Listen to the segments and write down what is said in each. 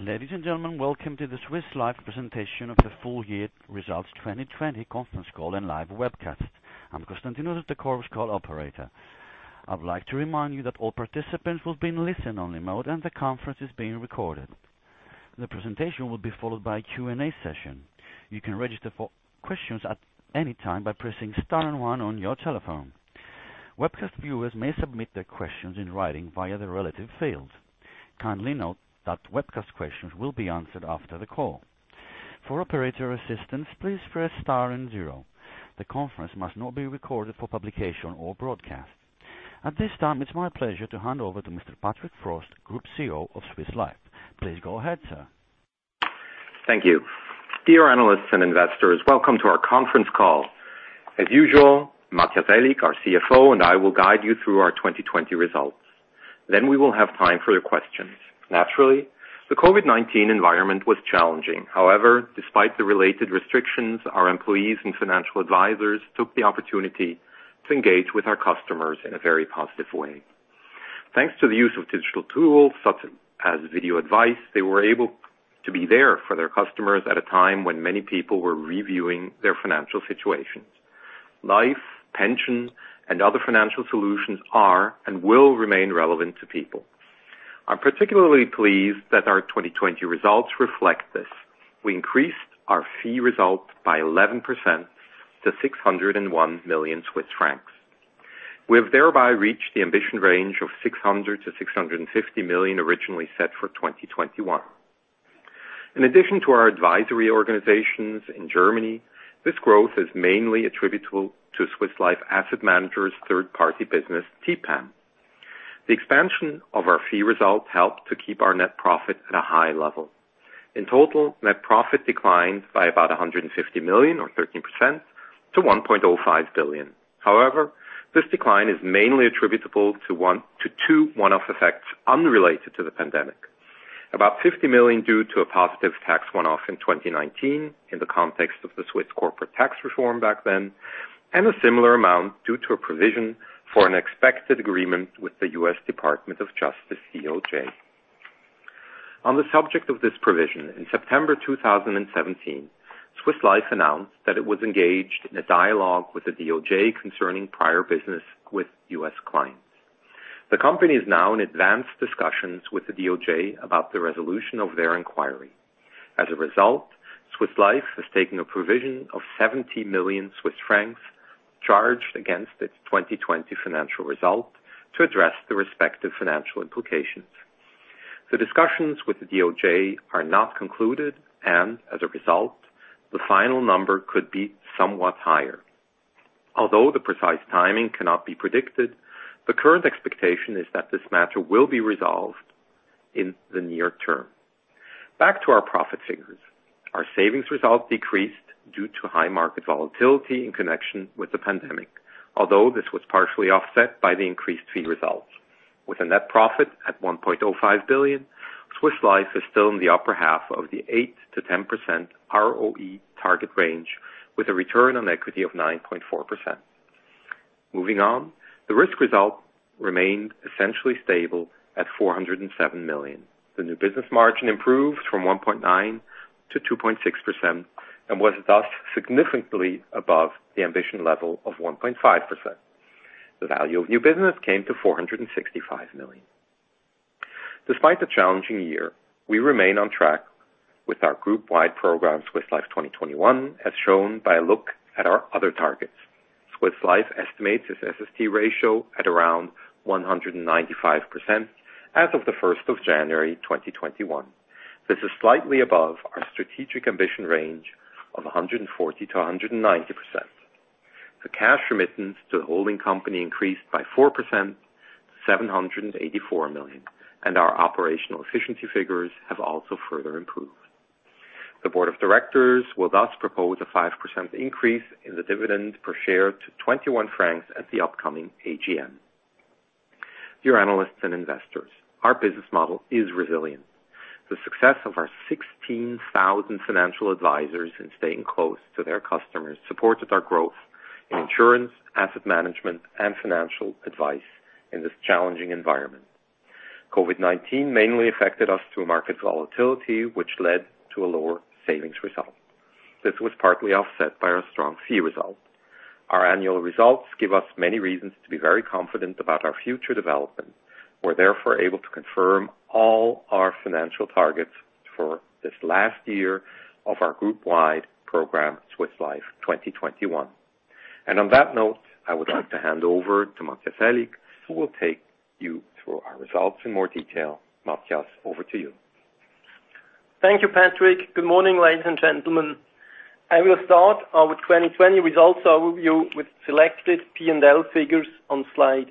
Ladies and gentlemen, welcome to the Swiss Life Presentation of the Full Year Results 2020 Conference Call and Live Webcast. I'm Constantinos, the conference call operator. I'd like to remind you that all participants will be in listen-only mode and the conference is being recorded. The presentation will be followed by a Q&A session. You can register for questions at any time by pressing star and one on your telephone. Webcast viewers may submit their questions in writing via the relevant field. Kindly note that webcast questions will be answered after the call. For operator assistance, please press star and zero. The conference must not be recorded for publication or broadcast. At this time, it's my pleasure to hand over to Mr. Patrick Frost, Group CEO of Swiss Life. Please go ahead, sir. Thank you. Dear analysts and investors, welcome to our conference call. As usual, Matthias Aellig, our CFO, and I will guide you through our 2020 results. We will have time for your questions. Naturally, the COVID-19 environment was challenging. Despite the related restrictions, our employees and financial advisors took the opportunity to engage with our customers in a very positive way. Thanks to the use of digital tools, such as video advice, they were able to be there for their customers at a time when many people were reviewing their financial situations. Life, pension, and other financial solutions are and will remain relevant to people. I'm particularly pleased that our 2020 results reflect this. We increased our fee result by 11% to 601 million Swiss francs. We have thereby reached the ambition range of 600 million-650 million originally set for 2021. In addition to our advisory organizations in Germany, this growth is mainly attributable to Swiss Life Asset Managers' third-party business, TPAM. The expansion of our fee results helped to keep our net profit at a high level. In total, net profit declined by about 150 million or 13% to 1.05 billion. However, this decline is mainly attributable to two one-off effects unrelated to the pandemic. About 50 million due to a positive tax one-off in 2019 in the context of the Swiss corporate tax reform back then, and a similar amount due to a provision for an expected agreement with the U.S. Department of Justice, DOJ. On the subject of this provision, in September 2017, Swiss Life announced that it was engaged in a dialogue with the DOJ concerning prior business with U.S. clients. The company is now in advanced discussions with the DOJ about the resolution of their inquiry. As a result, Swiss Life has taken a provision of 70 million Swiss francs charged against its 2020 financial result to address the respective financial implications. The discussions with the DOJ are not concluded, and as a result, the final number could be somewhat higher. Although the precise timing cannot be predicted, the current expectation is that this matter will be resolved in the near term. Back to our profit figures. Our savings results decreased due to high market volatility in connection with the pandemic. Although this was partially offset by the increased fee results. With a net profit at 1.05 billion, Swiss Life is still in the upper half of the 8%-10% ROE target range with a return on equity of 9.4%. Moving on. The risk result remained essentially stable at 407 million. The new business margin improved from 1.9% to 2.6% and was thus significantly above the ambition level of 1.5%. The value of new business came to 465 million. Despite the challenging year, we remain on track with our group-wide program, Swiss Life 2021, as shown by a look at our other targets. Swiss Life estimates its SST ratio at around 195% as of the 1st of January 2021. This is slightly above our strategic ambition range of 140%-190%. The cash remittance to the holding company increased by 4% to 784 million. Our operational efficiency figures have also further improved. The board of directors will thus propose a 5% increase in the dividend per share to 21 francs at the upcoming AGM. Dear analysts and investors, our business model is resilient. The success of our 16,000 financial advisors in staying close to their customers supported our growth in insurance, asset management, and financial advice in this challenging environment. COVID-19 mainly affected us through market volatility, which led to a lower savings result. This was partly offset by our strong fee result. Our annual results give us many reasons to be very confident about our future development. We're therefore able to confirm all our financial targets for this last year of our group-wide program, Swiss Life 2021. On that note, I would like to hand over to Matthias Aellig, who will take you through our results in more detail. Matthias, over to you. Thank you, Patrick. Good morning, ladies and gentlemen. I will start our 2020 results overview with selected P&L figures on slide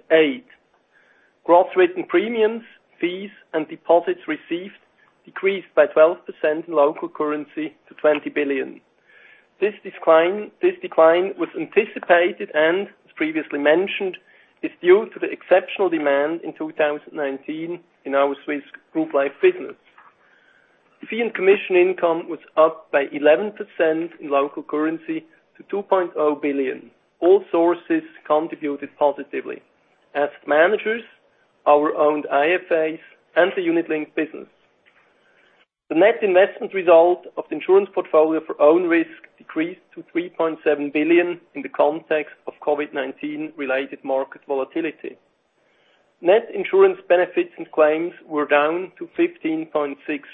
eight. Growth rate in premiums, fees, and deposits received decreased by 12% in local currency to 20 billion. This decline was anticipated and, as previously mentioned, is due to the exceptional demand in 2019 in our Swiss group life business. Fee and commission income was up by 11% in local currency to 2.0 billion. All sources contributed positively. Asset managers, our owned IFAs, and the unit-linked business. The net investment result of the insurance portfolio for own risk decreased to 3.7 billion in the context of COVID-19 related market volatility. Net insurance benefits and claims were down to 15.6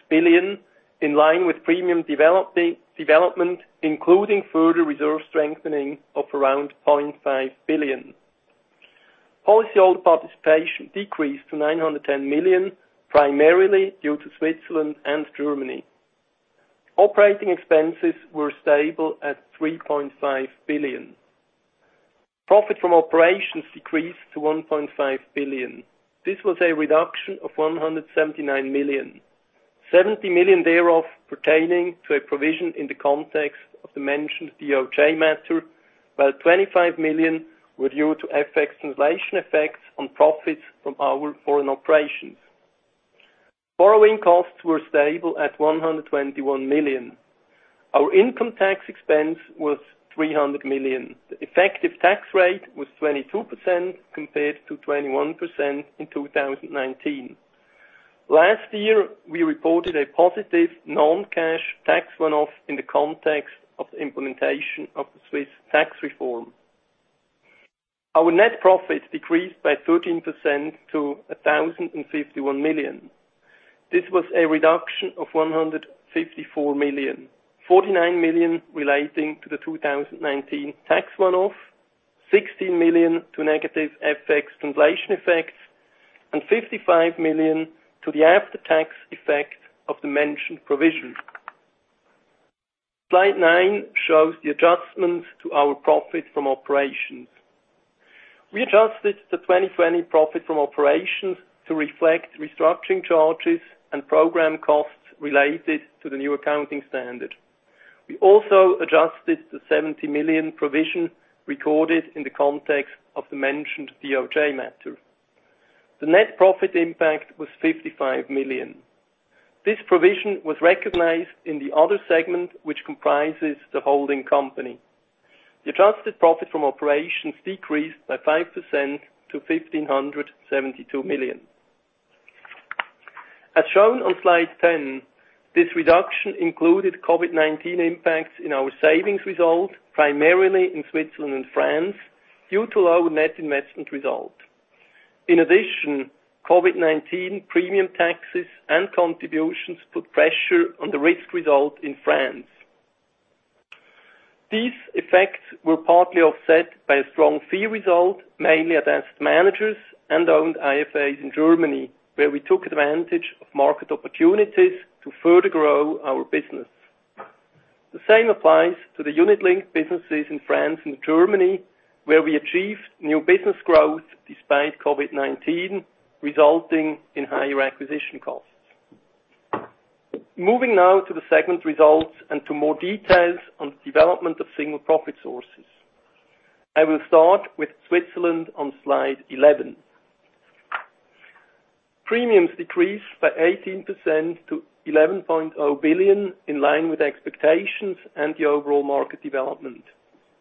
billion, in line with premium development, including further reserve strengthening of around 0.5 billion. Policyholder participation decreased to 910 million, primarily due to Switzerland and Germany. Operating expenses were stable at 3.5 billion. Profit from operations decreased to 1.5 billion. This was a reduction of 179 million. 70 million thereof pertaining to a provision in the context of the mentioned DOJ matter, while 25 million were due to FX translation effects on profits from our foreign operations. Borrowing costs were stable at 121 million. Our income tax expense was 300 million. The effective tax rate was 22% compared to 21% in 2019. Last year, we reported a positive non-cash tax one-off in the context of the implementation of the Swiss tax reform. Our net profit decreased by 13% to 1,051 million. This was a reduction of 154 million, 49 million relating to the 2019 tax one-off, 16 million to negative FX translation effects, and 55 million to the after-tax effect of the mentioned provision. Slide nine shows the adjustments to our profit from operations. We adjusted the 2020 profit from operations to reflect restructuring charges and program costs related to the new accounting standard. We also adjusted the 70 million provision recorded in the context of the mentioned DOJ matter. The net profit impact was 55 million. This provision was recognized in the other segment, which comprises the holding company. The adjusted profit from operations decreased by 5% to 1,572 million. As shown on slide 10, this reduction included COVID-19 impacts in our savings result, primarily in Switzerland and France, due to lower net investment result. In addition, COVID-19 premium taxes and contributions put pressure on the risk result in France. These effects were partly offset by a strong fee result, mainly against Asset Managers and owned IFAs in Germany, where we took advantage of market opportunities to further grow our business. The same applies to the unit-linked businesses in France and Germany, where we achieved new business growth despite COVID-19, resulting in higher acquisition costs. Moving now to the segment results and to more details on the development of single profit sources. I will start with Switzerland on slide 11. Premiums decreased by 18% to 11.0 billion, in line with expectations and the overall market development.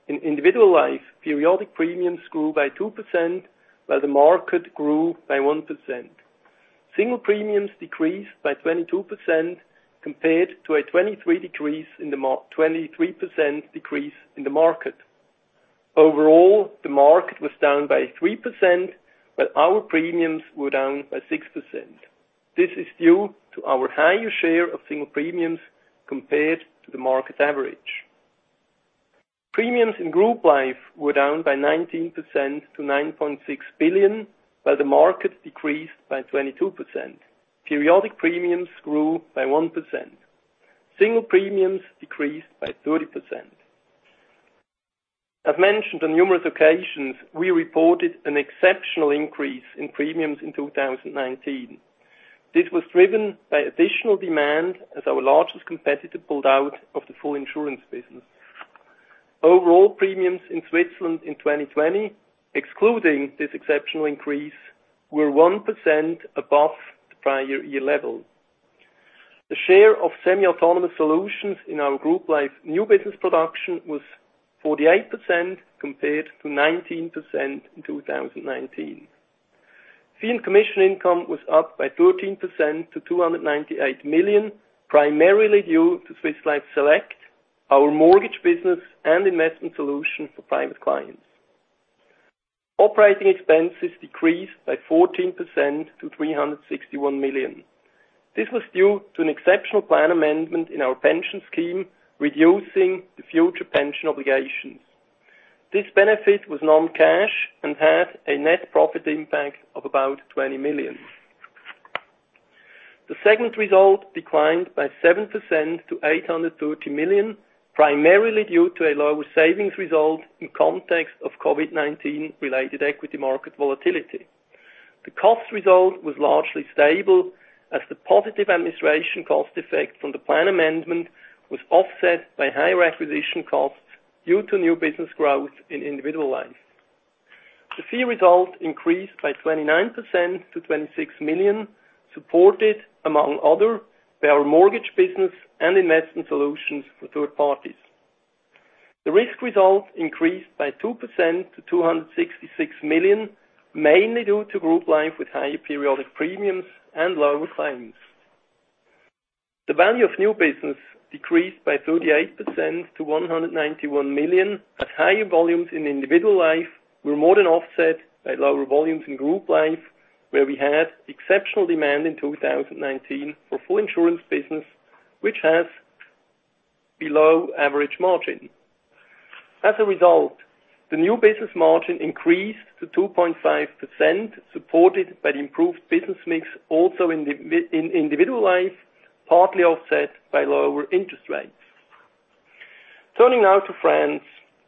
In individual life, periodic premiums grew by 2%, while the market grew by 1%. Single premiums decreased by 22% compared to a 23% decrease in the market. Overall, the market was down by 3%, but our premiums were down by 6%. This is due to our higher share of single premiums compared to the market average. Premiums in group life were down by 19% to 9.6 billion, while the market decreased by 22%. Periodic premiums grew by 1%. Single premiums decreased by 30%. As mentioned on numerous occasions, we reported an exceptional increase in premiums in 2019. This was driven by additional demand as our largest competitor pulled out of the full insurance business. Overall premiums in Switzerland in 2020, excluding this exceptional increase, were 1% above the prior year level. The share of semi-autonomous solutions in our group life new business production was 48% compared to 19% in 2019. Fee and commission income was up by 13% to 298 million, primarily due to Swiss Life Select, our mortgage business, and investment solution for private clients. Operating expenses decreased by 14% to 361 million. This was due to an exceptional plan amendment in our pension scheme, reducing the future pension obligations. This benefit was non-cash and had a net profit impact of about 20 million. The segment result declined by 7% to 830 million, primarily due to a lower savings result in context of COVID-19 related equity market volatility. The cost result was largely stable as the positive administration cost effect from the plan amendment was offset by higher acquisition costs due to new business growth in individual life. The fee result increased by 29% to 26 million, supported among other by our mortgage business and investment solutions for third parties. The risk result increased by 2% to 266 million, mainly due to group life with higher periodic premiums and lower claims. The value of new business decreased by 38% to 191 million, as higher volumes in individual life were more than offset by lower volumes in group life, where we had exceptional demand in 2019 for full insurance business, which has below average margin. As a result, the new business margin increased to 2.5%, supported by the improved business mix also in individual life, partly offset by lower interest rates. Turning now to France.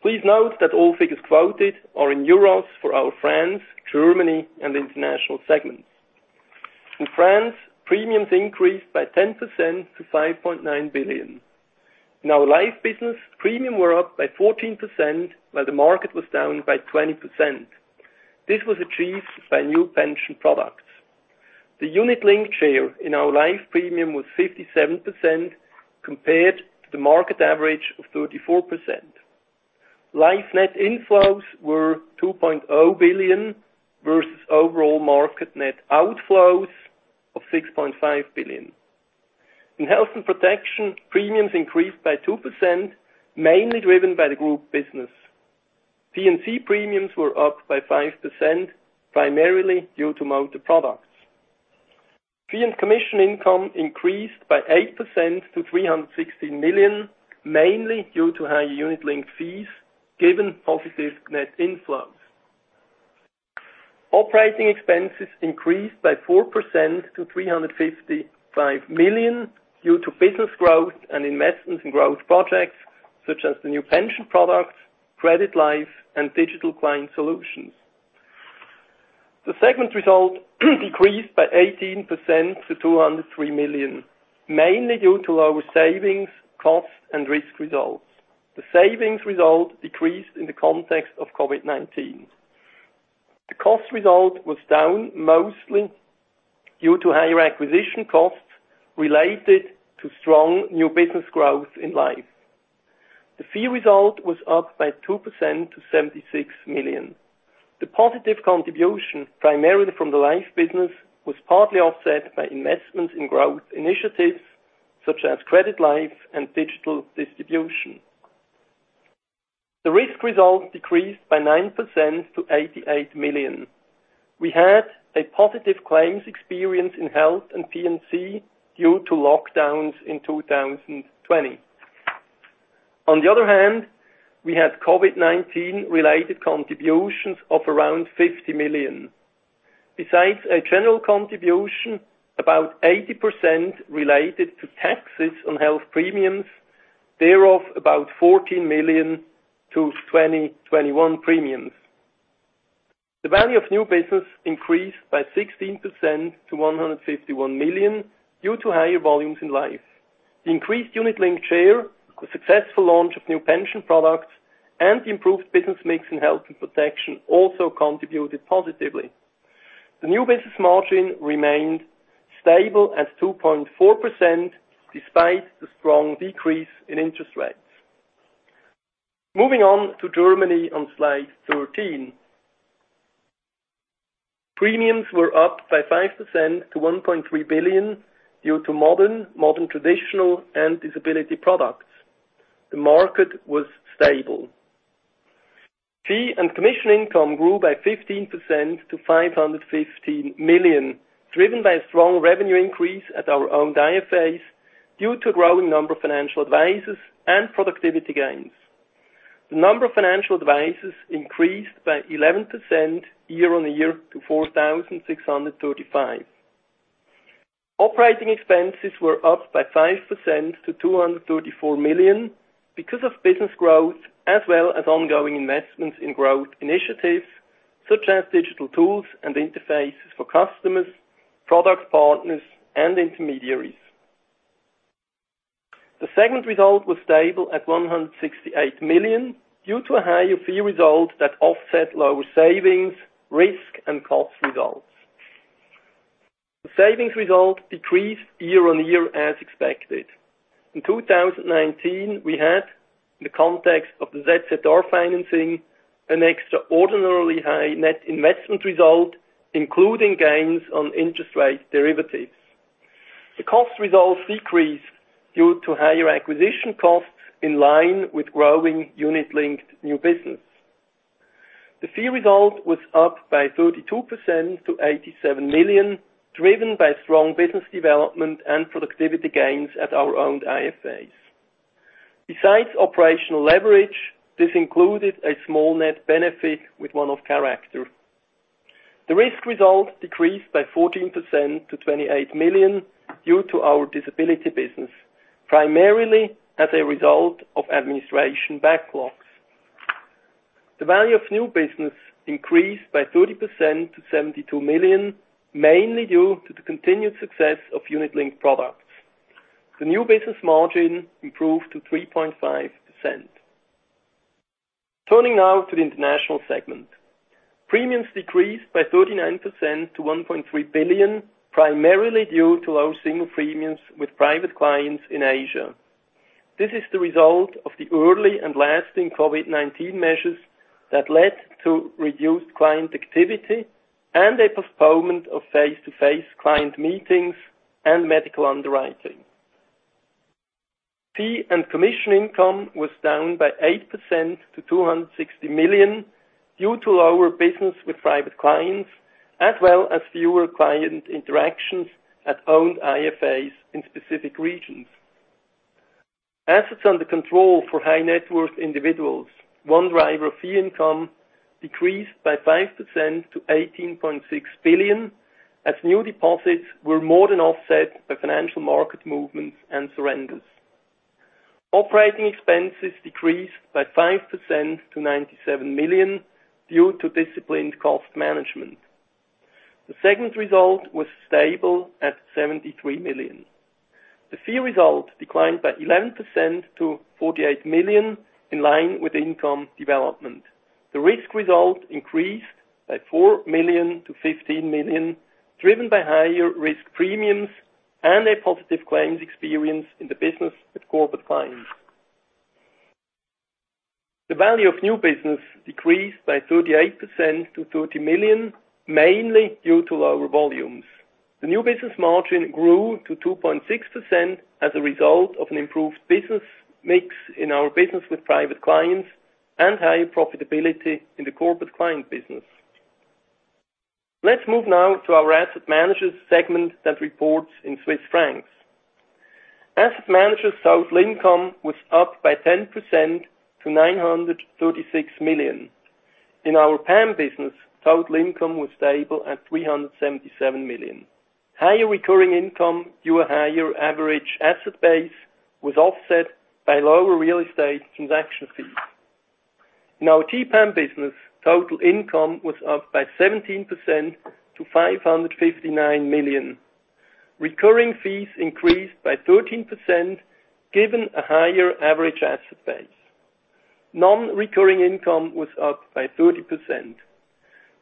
Please note that all figures quoted are in EUR for our France, Germany, and the international segments. In France, premiums increased by 10% to 5.9 billion. In our life business, premium were up by 14%, while the market was down by 20%. This was achieved by new pension products. The unit-linked share in our life premium was 57%, compared to the market average of 34%. Life net inflows were 2.0 billion, versus overall market net outflows of 6.5 billion. In health and protection, premiums increased by 2%, mainly driven by the group business. P&C premiums were up by 5%, primarily due to motor products. Fee and commission income increased by 8% to 316 million, mainly due to higher unit-linked fees given positive net inflows. Operating expenses increased by 4% to 355 million due to business growth and investments in growth projects such as the new pension products, Credit Life, and digital client solutions. The segment result decreased by 18% to 203 million, mainly due to lower savings, costs, and risk results. The savings result decreased in the context of COVID-19. The cost result was down mostly due to higher acquisition costs related to strong new business growth in life. The fee result was up by 2% to 76 million. The positive contribution, primarily from the life business, was partly offset by investments in growth initiatives such as Credit Life and digital distribution. The risk result decreased by 9% to 88 million. We had a positive claims experience in health and P&C due to lockdowns in 2020. On the other hand, we had COVID-19 related contributions of around 50 million. Besides a general contribution, about 80% related to taxes on health premiums, thereof about 14 million to 2021 premiums. The value of new business increased by 16% to 151 million due to higher volumes in life. The increased unit-linked share, the successful launch of new pension products, and the improved business mix in health and protection also contributed positively. The new business margin remained stable at 2.4%, despite the strong decrease in interest rates. Moving on to Germany on slide 13. Premiums were up by 5% to 1.3 billion due to modern traditional and disability products. The market was stable. Fee and commission income grew by 15% to 515 million, driven by a strong revenue increase at our own IFAs due to a growing number of financial advisors and productivity gains. The number of financial advisors increased by 11% year-on-year to 4,635. Operating expenses were up by 5% to 234 million because of business growth as well as ongoing investments in growth initiatives such as digital tools and interfaces for customers, product partners, and intermediaries. The segment result was stable at 168 million due to a higher fee result that offset lower savings, risk, and cost results. The savings result decreased year on year as expected. In 2019, we had, in the context of the ZZR financing, an extraordinarily high net investment result, including gains on interest rate derivatives. The cost results decreased due to higher acquisition costs in line with growing unit-linked new business. The fee result was up by 32% to 87 million, driven by strong business development and productivity gains at our own IFAs. Besides operational leverage, this included a small net benefit with one-off character. The risk result decreased by 14% to 28 million due to our disability business, primarily as a result of administration backlogs. The value of new business increased by 30% to 72 million, mainly due to the continued success of unit-linked products. The new business margin improved to 3.5%. Turning now to the international segment. Premiums decreased by 39% to 1.3 billion, primarily due to lower single premiums with private clients in Asia. This is the result of the early and lasting COVID-19 measures that led to reduced client activity and a postponement of face-to-face client meetings and medical underwriting. Fee and commission income was down by 8% to 260 million, due to lower business with private clients, as well as fewer client interactions at owned IFAs in specific regions. Assets under control for high net worth individuals, one driver of fee income, decreased by 5% to 18.6 billion, as new deposits were more than offset by financial market movements and surrenders. Operating expenses decreased by 5% to 97 million, due to disciplined cost management. The segment result was stable at 73 million. The fee result declined by 11% to 48 million, in line with income development. The risk result increased by 4 million to 15 million, driven by higher risk premiums and a positive claims experience in the business with corporate clients. The value of new business decreased by 38% to 30 million, mainly due to lower volumes. The new business margin grew to 2.6% as a result of an improved business mix in our business with private clients and higher profitability in the corporate client business. Let's move now to our Asset Managers segment that reports in Swiss francs. Asset Managers total income was up by 10% to 936 million. In our PAM business, total income was stable at 377 million. Higher recurring income due to higher average asset base was offset by lower real estate transaction fees. In our TPAM business, total income was up by 17% to 559 million. Recurring fees increased by 13%, given a higher average asset base. Non-recurring income was up by 30%.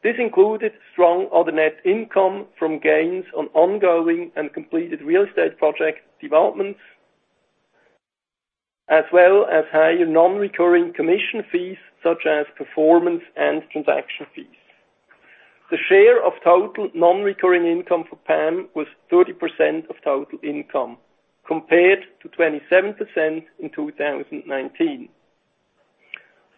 This included strong other net income from gains on ongoing and completed real estate project developments. As well as higher non-recurring commission fees such as performance and transaction fees. The share of total non-recurring income for PAM was 30% of total income, compared to 27% in 2019.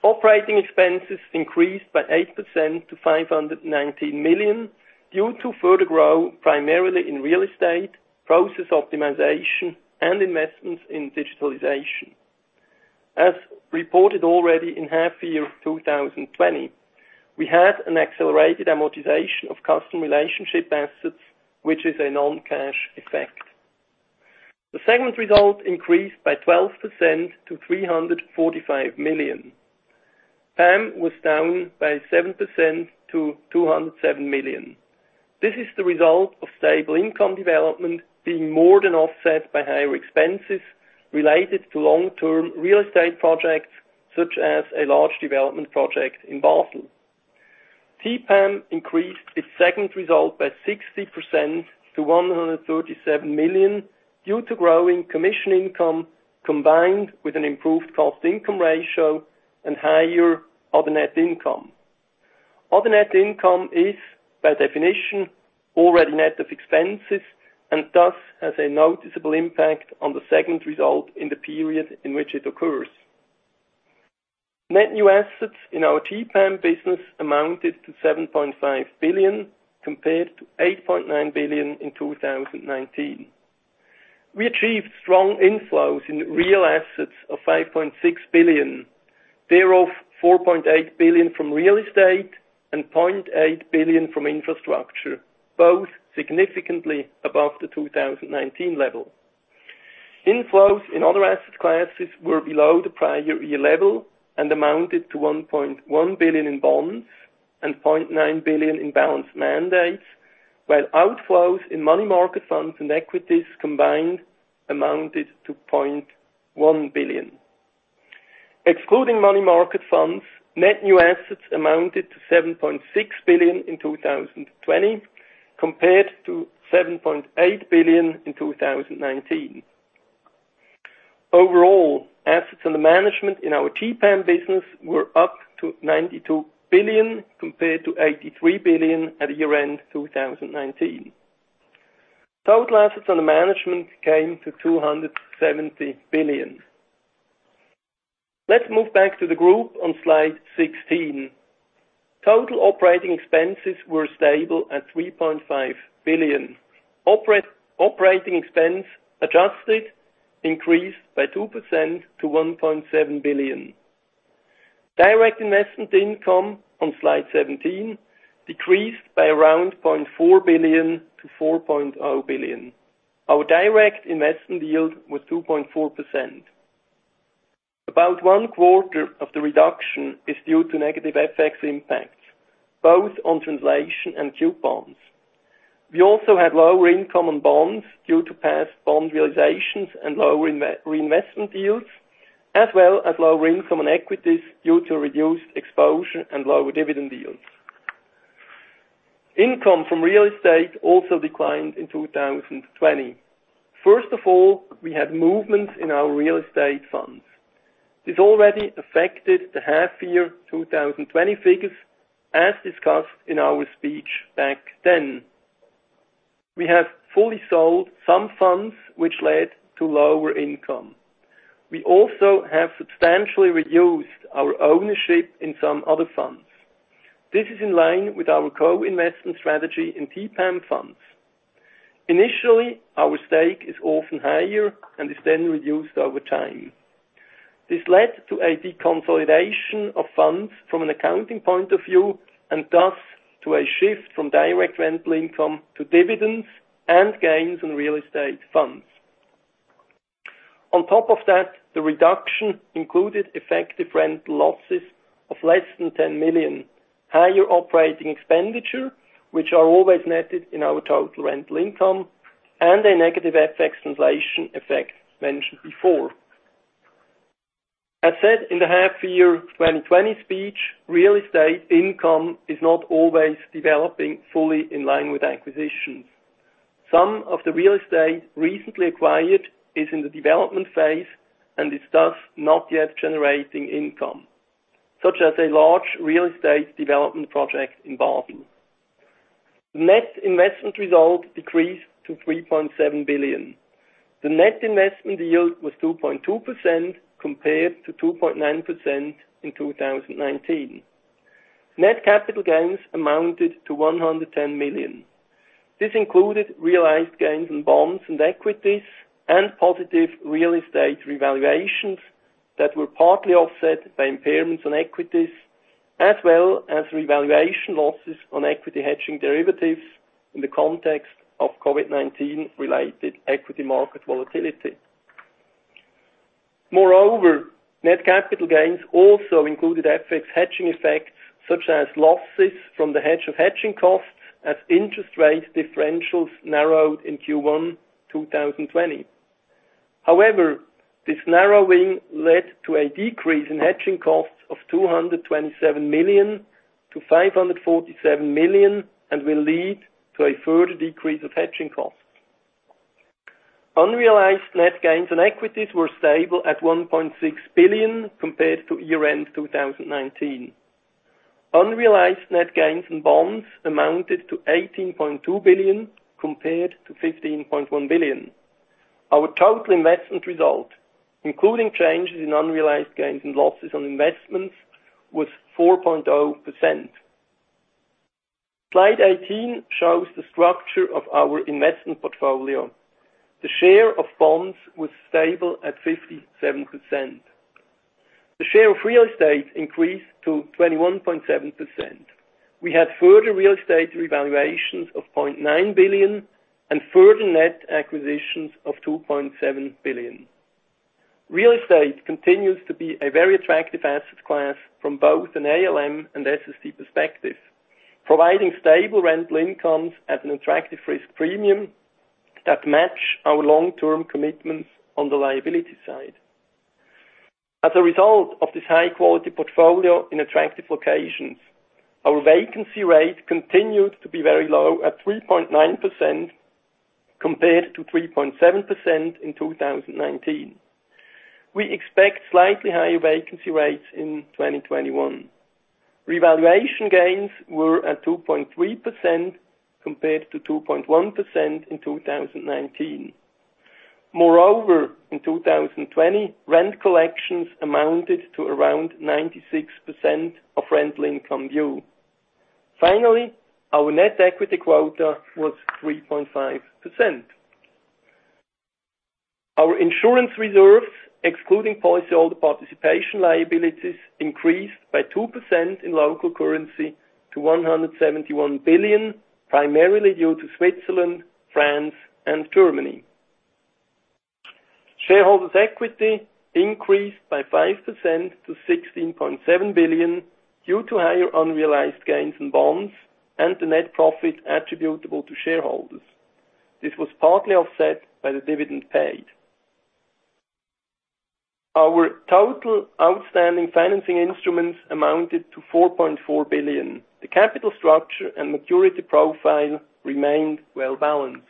Operating expenses increased by 8% to 519 million, due to further growth primarily in real estate, process optimization, and investments in digitalization. As reported already in half year of 2020, we had an accelerated amortization of customer relationship assets, which is a non-cash effect. The segment result increased by 12% to 345 million. PAM was down by 7% to 207 million. This is the result of stable income development being more than offset by higher expenses related to long-term real estate projects, such as a large development project in Basel. TPAM increased its segment result by 60% to 137 million due to growing commission income, combined with an improved cost income ratio and higher other net income. Other net income is, by definition, already net of expenses and thus has a noticeable impact on the segment result in the period in which it occurs. Net new assets in our TPAM business amounted to 7.5 billion, compared to 8.9 billion in 2019. We achieved strong inflows in real assets of 5.6 billion. Thereof, 4.8 billion from real estate and 0.8 billion from infrastructure, both significantly above the 2019 level. Inflows in other asset classes were below the prior year level and amounted to 1.1 billion in bonds and 0.9 billion in balanced mandates, while outflows in money market funds and equities combined amounted to 0.1 billion. Excluding money market funds, net new assets amounted to 7.6 billion in 2020, compared to 7.8 billion in 2019. Overall, assets under management in our TPAM business were up to 92 billion compared to 83 billion at year-end 2019. Total assets under management came to 270 billion. Let's move back to the group on slide 16. Total operating expenses were stable at 3.5 billion. Operating expense, adjusted, increased by 2% to 1.7 billion. Direct investment income, on slide 17, decreased by around 0.4 billion to 4.0 billion. Our direct investment yield was 2.4%. About one quarter of the reduction is due to negative FX impacts, both on translation and coupons. We also had lower income on bonds due to past bond realizations and lower reinvestment yields, as well as lower income on equities due to reduced exposure and lower dividend yields. Income from real estate also declined in 2020. First of all, we had movements in our real estate funds. This already affected the half-year 2020 figures, as discussed in our speech back then. We have fully sold some funds which led to lower income. We also have substantially reduced our ownership in some other funds. This is in line with our co-investment strategy in TPAM funds. Initially, our stake is often higher and is then reduced over time. This led to a deconsolidation of funds from an accounting point of view, and thus to a shift from direct rental income to dividends and gains on real estate funds. On top of that, the reduction included effective rental losses of less than 10 million, higher operating expenditure, which are always netted in our total rental income, and a negative FX translation effect mentioned before. As said in the half-year 2020 speech, real estate income is not always developing fully in line with acquisitions. Some of the real estate recently acquired is in the development phase and is thus not yet generating income, such as a large real estate development project in Barton. Net investment result decreased to 3.7 billion. The net investment yield was 2.2% compared to 2.9% in 2019. Net capital gains amounted to 110 million. This included realized gains on bonds and equities and positive real estate revaluations that were partly offset by impairments on equities, as well as revaluation losses on equity hedging derivatives in the context of COVID-19 related equity market volatility. Moreover, net capital gains also included FX hedging effects such as losses from the hedge of hedging costs as interest rate differentials narrowed in Q1 2020. However, this narrowing led to a decrease in hedging costs of 227 million to 547 million and will lead to a further decrease of hedging costs. Unrealized net gains on equities were stable at 1.6 billion compared to year-end 2019. Unrealized net gains on bonds amounted to 18.2 billion, compared to 15.1 billion. Our total investment result, including changes in unrealized gains and losses on investments, was 4.0%. Slide 18 shows the structure of our investment portfolio. The share of bonds was stable at 57%. The share of real estate increased to 21.7%. We had further real estate revaluations of 0.9 billion and further net acquisitions of 2.7 billion. Real estate continues to be a very attractive asset class from both an ALM and SST perspective, providing stable rental incomes at an attractive risk premium that match our long-term commitments on the liability side. As a result of this high-quality portfolio in attractive locations, our vacancy rate continued to be very low at 3.9% compared to 3.7% in 2019. We expect slightly higher vacancy rates in 2021. Revaluation gains were at 2.3% compared to 2.1% in 2019. Moreover, in 2020, rent collections amounted to around 96% of rental income due. Finally, our net equity quota was 3.5%. Our insurance reserves, excluding policyholder participation liabilities, increased by 2% in local currency to 171 billion, primarily due to Switzerland, France, and Germany. Shareholders' equity increased by 5% to 16.7 billion due to higher unrealized gains on bonds and the net profit attributable to shareholders. This was partly offset by the dividend paid. Our total outstanding financing instruments amounted to 4.4 billion. The capital structure and maturity profile remained well balanced.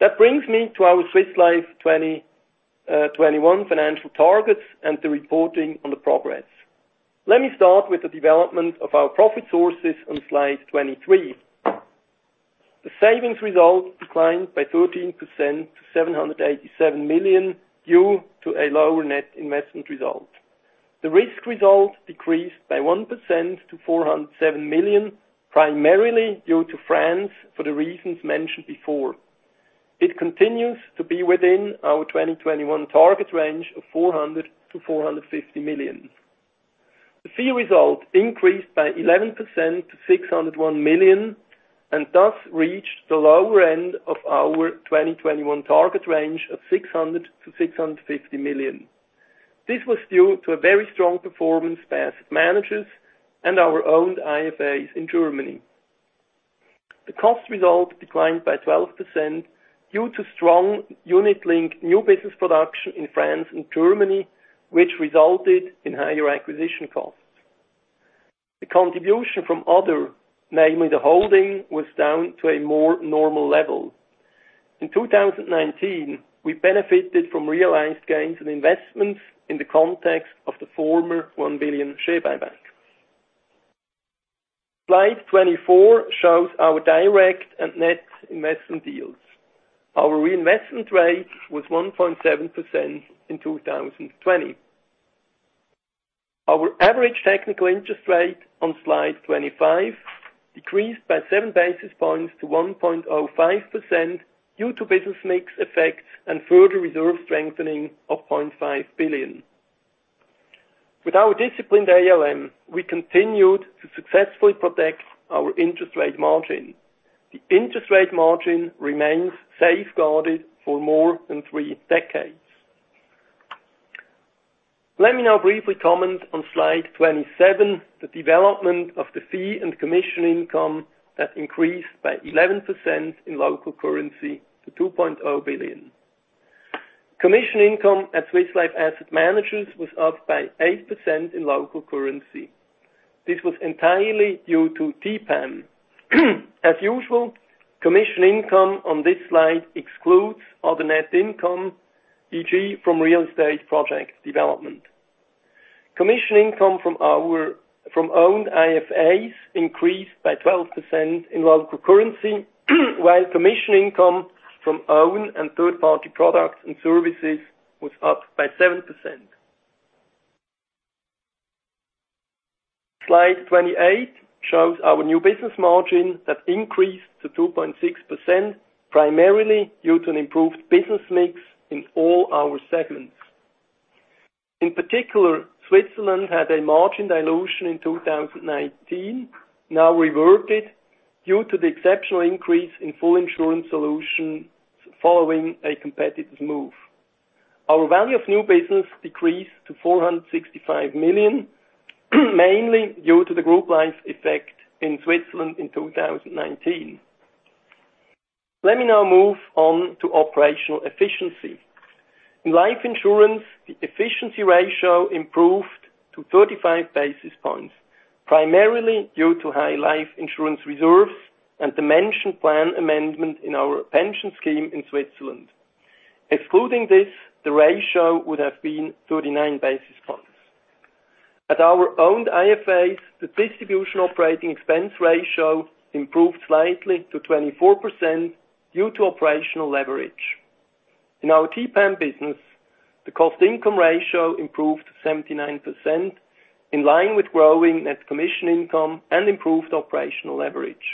That brings me to our Swiss Life 2021 financial targets and the reporting on the progress. Let me start with the development of our profit sources on slide 23. The savings result declined by 13% to 787 million due to a lower net investment result. The risk result decreased by 1% to 407 million, primarily due to France for the reasons mentioned before. It continues to be within our 2021 target range of 400 million-450 million. The fee result increased by 11% to 601 million, and thus reached the lower end of our 2021 target range of 600 million-650 million. This was due to a very strong performance by asset managers and our owned IFAs in Germany. The cost result declined by 12% due to strong unit-linked new business production in France and Germany, which resulted in higher acquisition costs. The contribution from other, namely the holding, was down to a more normal level. In 2019, we benefited from realized gains and investments in the context of the former 1 billion share buyback. Slide 24 shows our direct and net investment yields. Our reinvestment rate was 1.7% in 2020. Our average technical interest rate on Slide 25 decreased by seven basis points to 1.05% due to business mix effect and further reserve strengthening of 0.5 billion. With our disciplined ALM, we continued to successfully protect our interest rate margin. The interest rate margin remains safeguarded for more than three decades. Let me now briefly comment on Slide 27, the development of the fee and commission income that increased by 11% in local currency to 2.0 billion. Commission income at Swiss Life Asset Managers was up by 8% in local currency. This was entirely due to TPAM. As usual, commission income on this slide excludes other net income, e.g., from real estate project development. Commission income from owned IFAs increased by 12% in local currency, while commission income from owned and third-party products and services was up by 7%. Slide 28 shows our new business margin that increased to 2.6%, primarily due to an improved business mix in all our segments. In particular, Switzerland had a margin dilution in 2019, now reverted due to the exceptional increase in full insurance solutions following a competitive move. Our value of new business decreased to 465 million, mainly due to the group life effect in Switzerland in 2019. Let me now move on to operational efficiency. In life insurance, the efficiency ratio improved to 35 basis points, primarily due to high life insurance reserves and the mentioned plan amendment in our pension scheme in Switzerland. Excluding this, the ratio would have been 39 basis points. At our owned IFAs, the distribution operating expense ratio improved slightly to 24% due to operational leverage. In our TPAM business, the cost income ratio improved to 79%, in line with growing net commission income and improved operational leverage.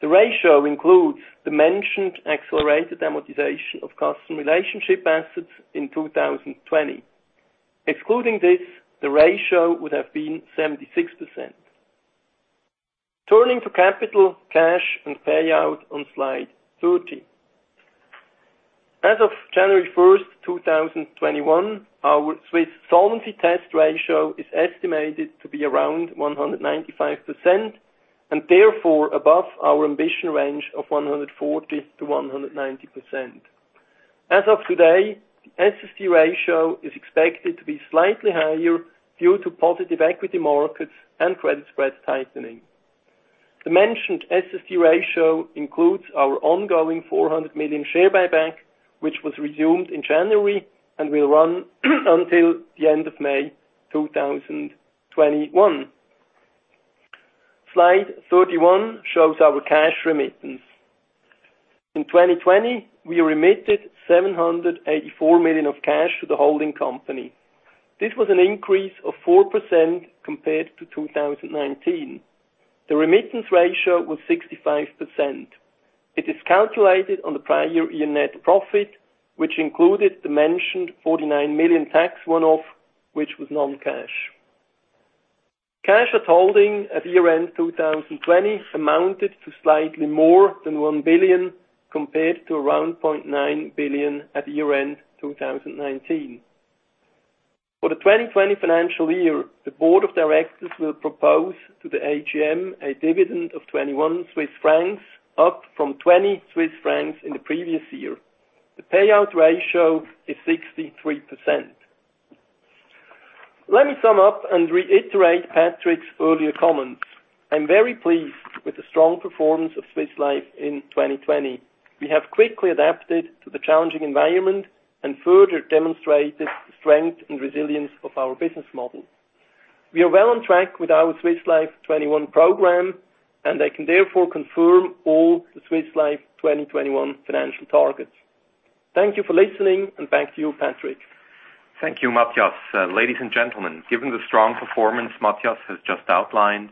The ratio includes the mentioned accelerated amortization of customer relationship assets in 2020. Excluding this, the ratio would have been 76%. Turning to capital, cash, and payout on Slide 30. As of January 1st, 2021, our Swiss Solvency Test ratio is estimated to be around 195% and therefore above our ambition range of 140%-190%. As of today, the SST ratio is expected to be slightly higher due to positive equity markets and credit spread tightening. The mentioned SST ratio includes our ongoing 400 million share buyback, which was resumed in January and will run until the end of May 2021. Slide 31 shows our cash remittance. In 2020, we remitted 784 million of cash to the holding company. This was an increase of 4% compared to 2019. The remittance ratio was 65%. It is calculated on the prior year net profit, which included the mentioned 49 million tax one-off, which was non-cash. Cash at holding at year-end 2020 amounted to slightly more than 1 billion, compared to around 0.9 billion at year-end 2019. For the 2020 financial year, the board of directors will propose to the AGM a dividend of 21 Swiss francs, up from 20 Swiss francs in the previous year. The payout ratio is 63%. Let me sum up and reiterate Patrick's earlier comments. I'm very pleased with the strong performance of Swiss Life in 2020. We have quickly adapted to the challenging environment and further demonstrated the strength and resilience of our business model. We are well on track with our Swiss Life 21 program, and I can therefore confirm all the Swiss Life 2021 financial targets. Thank you for listening, and back to you, Patrick. Thank you, Matthias. Ladies and gentlemen, given the strong performance Matthias has just outlined.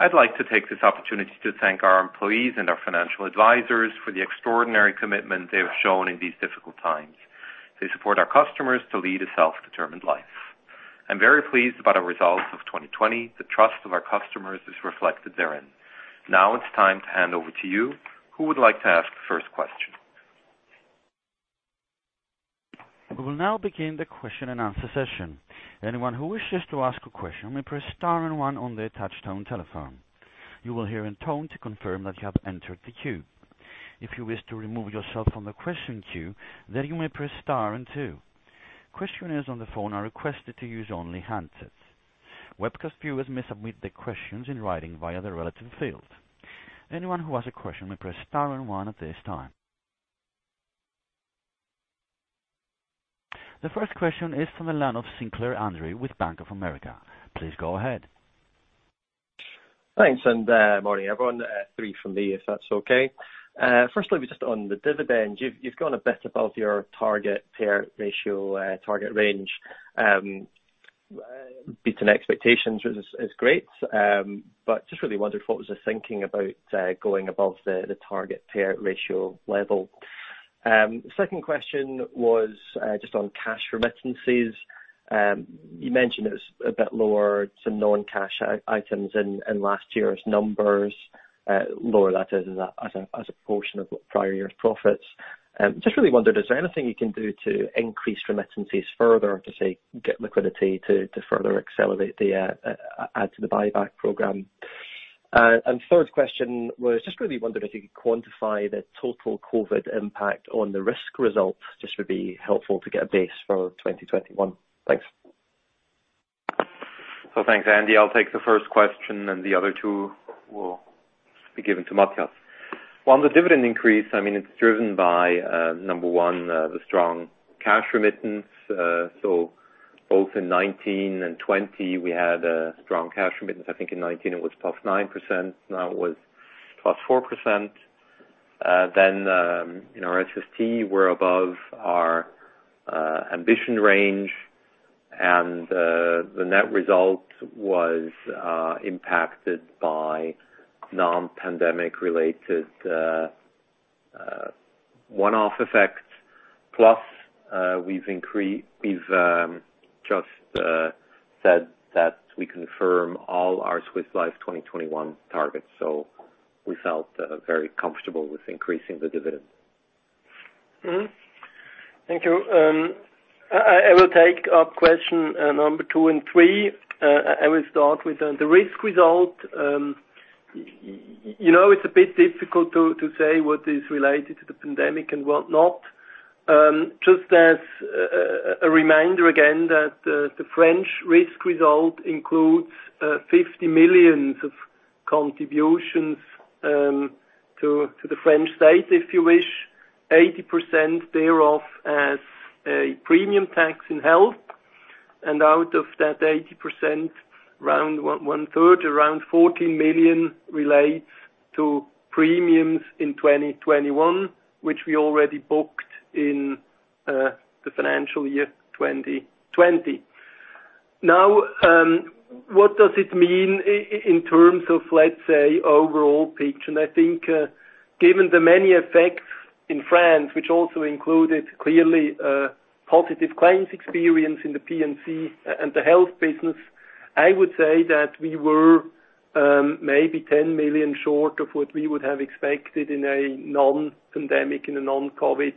I'd like to take this opportunity to thank our employees and our financial advisors for the extraordinary commitment they have shown in these difficult times. They support our customers to lead a self-determined life. I'm very pleased about our results of 2020. The trust of our customers is reflected therein. It's time to hand over to you. Who would like to ask the first question? We will now begin the question and answer session. Anyone who wishes to ask a question may press star and one on their touchtone telephone. You will hear a tone to confirm that you have entered the queue. If you wish to remove yourself from the question queue, then you may press star and two. Questioners on the phone are requested to use only handsets. Webcast viewers may submit their questions in writing via the relevant field. Anyone who has a question may press star and one at this time. The first question is from the line of Sinclair, Andrew with Bank of America. Please go ahead. Thanks. Morning, everyone. Three from me, if that's okay. Firstly, just on the dividend, you've gone a bit above your target payout ratio, target range. Beating expectations is great, but just really wondered what was the thinking about going above the target payout ratio level. Second question was just on cash remittances. You mentioned it was a bit lower, some non-cash items in last year's numbers, lower that is as a portion of prior year's profits. Just really wondered, is there anything you can do to increase remittances further to get liquidity to further accelerate the add to the buyback program? Third question was just really wondered if you could quantify the total COVID impact on the risk results. Just would be helpful to get a base for 2021. Thanks. Thanks, Andy. I'll take the first question, and the other two will be given to Matthias. On the dividend increase, it's driven by, number one, the strong cash remittance. Both in 2019 and 2020, we had a strong cash remittance. I think in 2019 it was +9%, now it was +4%. In our SST, we're above our ambition range, and the net result was impacted by non-pandemic related one-off effects. We've just said that we confirm all our Swiss Life 2021 targets. We felt very comfortable with increasing the dividend. Thank you. I will take up question number two and three. I will start with the risk result. It's a bit difficult to say what is related to the pandemic and what not. Just as a reminder again, that the French risk result includes 50 million of contributions to the French state, if you wish, 80% thereof as a premium tax in health. Out of that 80%, around one third, around 14 million relates to premiums in 2021, which we already booked in the financial year 2020. What does it mean in terms of, let's say, overall picture? I think given the many effects in France, which also included clearly a positive claims experience in the P&C and the health business, I would say that we were maybe 10 million short of what we would have expected in a non-pandemic, in a non-COVID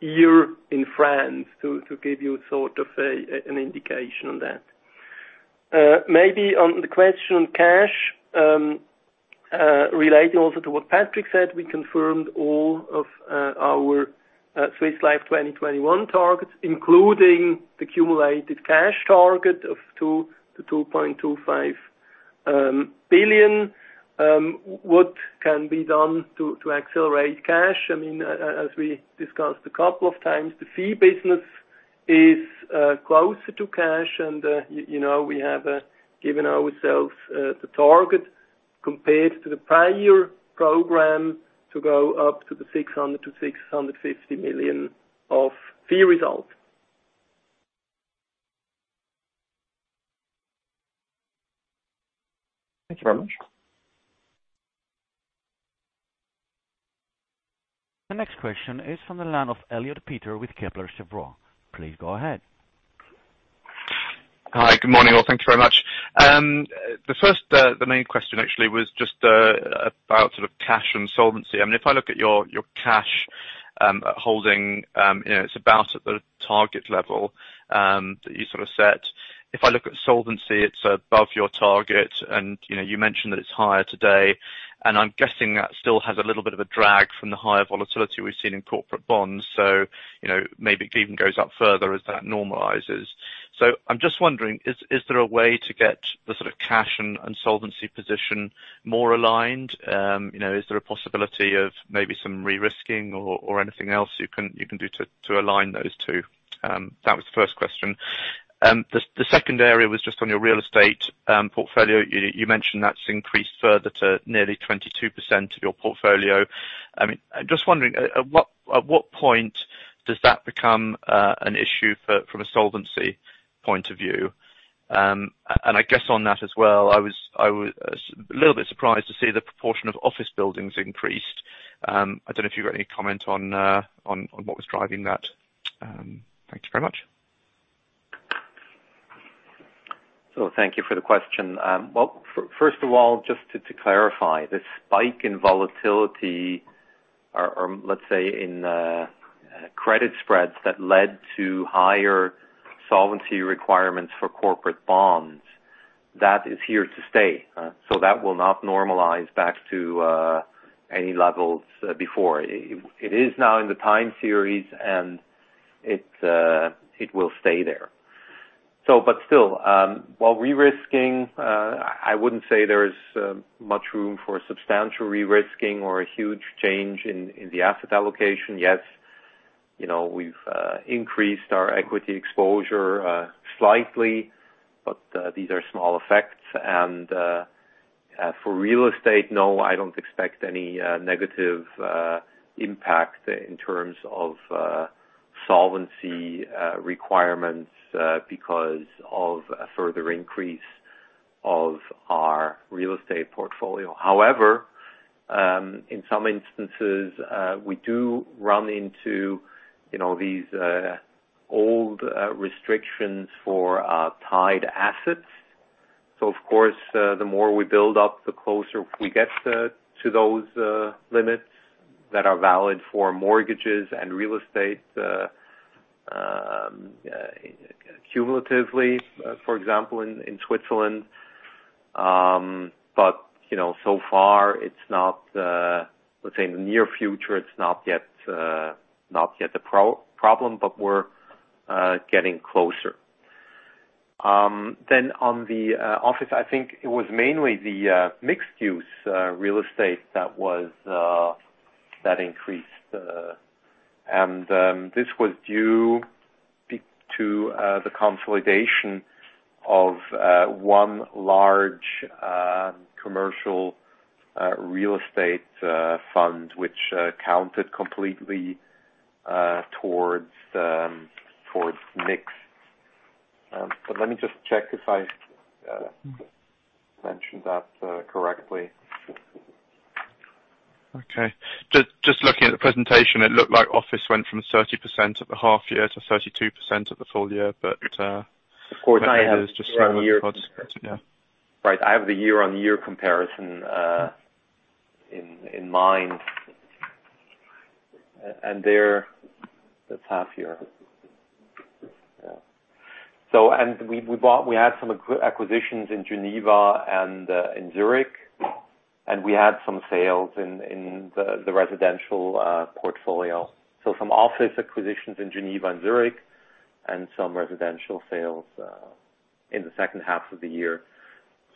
year in France to give you sort of an indication on that. Maybe on the question on cash, relating also to what Patrick said, we confirmed all of our Swiss Life 2021 targets, including the cumulative cash target of 2 billion-2.25 billion. What can be done to accelerate cash? As we discussed a couple of times, the fee business is closer to cash, and we have given ourselves the target compared to the prior year program to go up to the 600 million-650 million of fee result. Thank you very much. The next question is from the line of Eliott, Peter with Kepler Cheuvreux. Please go ahead. Hi. Good morning, all. Thank you very much. The main question actually was just about sort of cash and solvency. If I look at your cash holding, it's about at the target level that you sort of set. If I look at solvency, it's above your target, and you mentioned that it's higher today, and I'm guessing that still has a little bit of a drag from the higher volatility we've seen in corporate bonds. Maybe it even goes up further as that normalizes. I'm just wondering, is there a way to get the sort of cash and solvency position more aligned? Is there a possibility of maybe some re-risking or anything else you can do to align those two? That was the first question. The second area was just on your real estate portfolio. You mentioned that's increased further to nearly 22% of your portfolio. I'm just wondering, at what point does that become an issue from a solvency point of view? I guess on that as well, I was a little bit surprised to see the proportion of office buildings increased. I don't know if you've got any comment on what was driving that. Thank you very much. Thank you for the question. First of all, just to clarify, the spike in volatility or let's say in credit spreads that led to higher solvency requirements for corporate bonds, that is here to stay. That will not normalize back to any levels before. It is now in the time series, and it will stay there. Still, while de-risking, I wouldn't say there's much room for substantial de-risking or a huge change in the asset allocation. Yes, we've increased our equity exposure slightly, but these are small effects. For real estate, no, I don't expect any negative impact in terms of solvency requirements because of a further increase of our real estate portfolio. However, in some instances, we do run into these old restrictions for tied assets. Of course, the more we build up, the closer we get to those limits that are valid for mortgages and real estate cumulatively, for example, in Switzerland. So far it's not, let's say in the near future, it's not yet the problem, but we're getting closer. On the office, I think it was mainly the mixed-use real estate that increased. This was due to the consolidation of one large commercial real estate fund, which counted completely towards mixed. Let me just check if I mentioned that correctly. Okay. Just looking at the presentation, it looked like office went from 30% at the half year to 32% at the full year. Of course. Maybe it was just something. Right. I have the year-on-year comparison in mind. There, that's half year. Yeah. We had some acquisitions in Geneva and in Zurich, and we had some sales in the residential portfolio. Some office acquisitions in Geneva and Zurich and some residential sales in the second half of the year.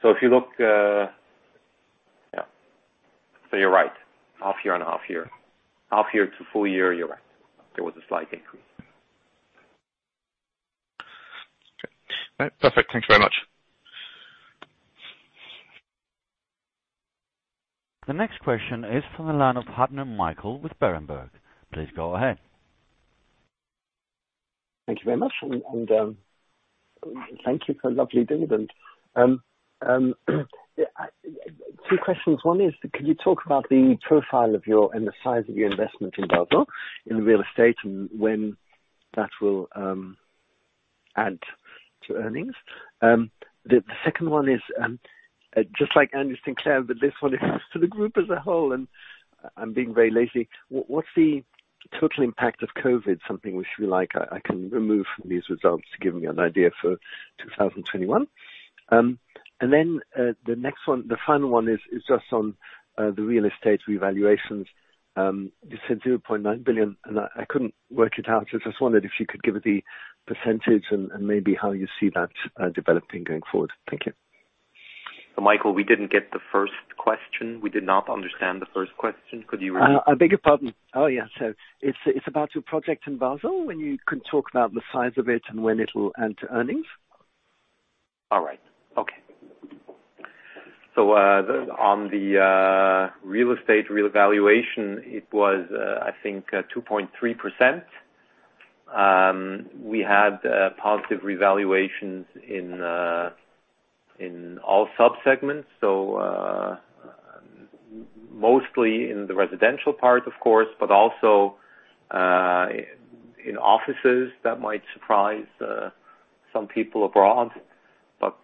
If you look Yeah. You're right. Half year and half year. Half year to full year, you're right. There was a slight increase. Okay. All right. Perfect. Thanks very much. The next question is from the line of Huttner, Michael with Berenberg. Please go ahead. Thank you very much. Thank you for the lovely dividend. Two questions. One is, could you talk about the profile of your, and the size of your investment in Basel in real estate and when that will add to earnings? The second one is, just like Andrew Sinclair, but this one is to the group as a whole, and I'm being very lazy. What's the total impact of COVID? Something we should like, I can remove from these results to give me an idea for 2021. Then, the next one, the final one is just on the real estate revaluations. You said 0.9 billion, and I couldn't work it out. I just wondered if you could give the percentage and maybe how you see that developing going forward. Thank you. Michael, we didn't get the first question. We did not understand the first question. Could you repeat? I beg your pardon. Oh, yeah. It's about your project in Basel, when you can talk about the size of it and when it will add to earnings? All right. Okay. On the real estate revaluation, it was I think 2.3%. We had positive revaluations in all sub-segments. Mostly in the residential part, of course, but also in offices that might surprise some people abroad.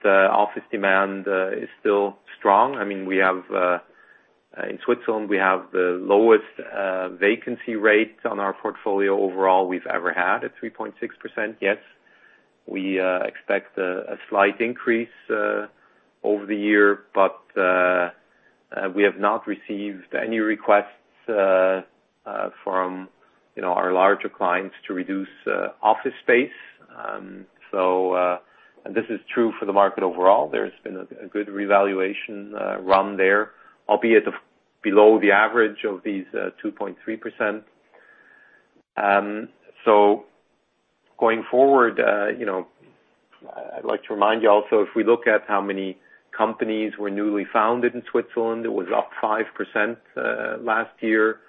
Office demand is still strong. In Switzerland, we have the lowest vacancy rate on our portfolio overall we've ever had at 3.6%. Yes, we expect a slight increase over the year. We have not received any requests from our larger clients to reduce office space. This is true for the market overall. There's been a good revaluation run there, albeit below the average of these 2.3%. Going forward, I'd like to remind you also, if we look at how many companies were newly founded in Switzerland, it was up 5% last year.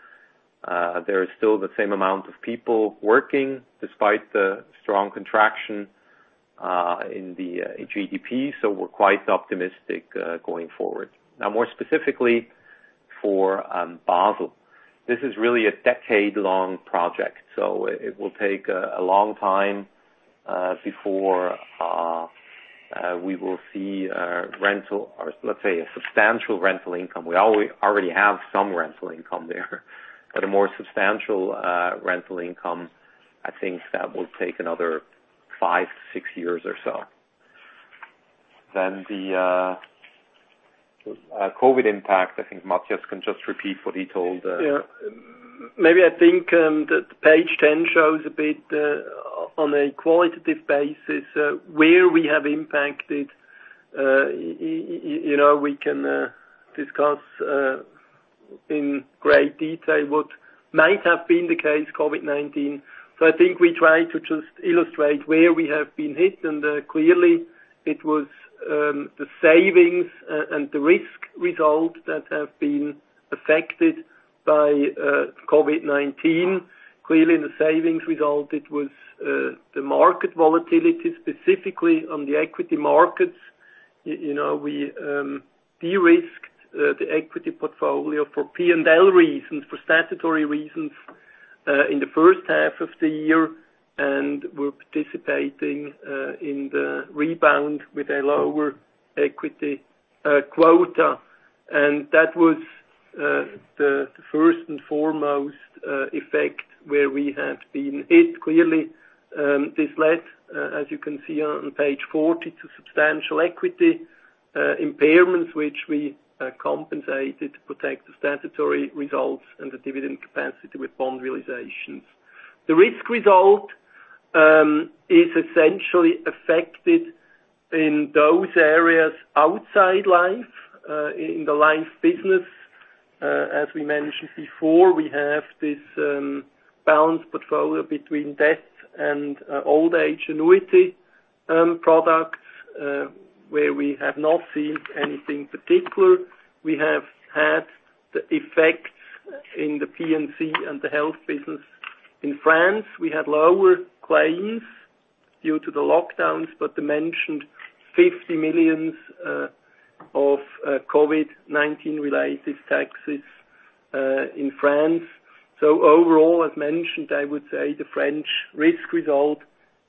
There is still the same amount of people working despite the strong contraction in GDP. We're quite optimistic going forward. More specifically for Basel. This is really a decade-long project, so it will take a long time before we will see, let's say, a substantial rental income. We already have some rental income there. A more substantial rental income, I think that will take another five to six years or so. The COVID-19 impact, I think Matthias can just repeat what he told. Yeah. Maybe I think that page 10 shows a bit on a qualitative basis where we have impacted. We can discuss in great detail what might have been the case COVID-19. I think we try to just illustrate where we have been hit, and clearly it was the savings and the risk result that have been affected by COVID-19. Clearly in the savings result, it was the market volatility, specifically on the equity markets. We de-risked the equity portfolio for P&L reasons, for statutory reasons, in the first half of the year, and we're participating in the rebound with a lower equity quota. That was the first and foremost effect where we have been hit. Clearly, this led, as you can see on page 40, to substantial equity impairments, which we compensated to protect the statutory results and the dividend capacity with bond realizations. The risk result is essentially affected in those areas outside Life. In the Life business, as we mentioned before, we have this balanced portfolio between death and old age annuity products, where we have not seen anything particular. We have had the effect in the P&C and the health business. In France, we had lower claims due to the lockdowns, but the mentioned 50 million of COVID-19 related taxes in France. Overall, as mentioned, I would say the French risk result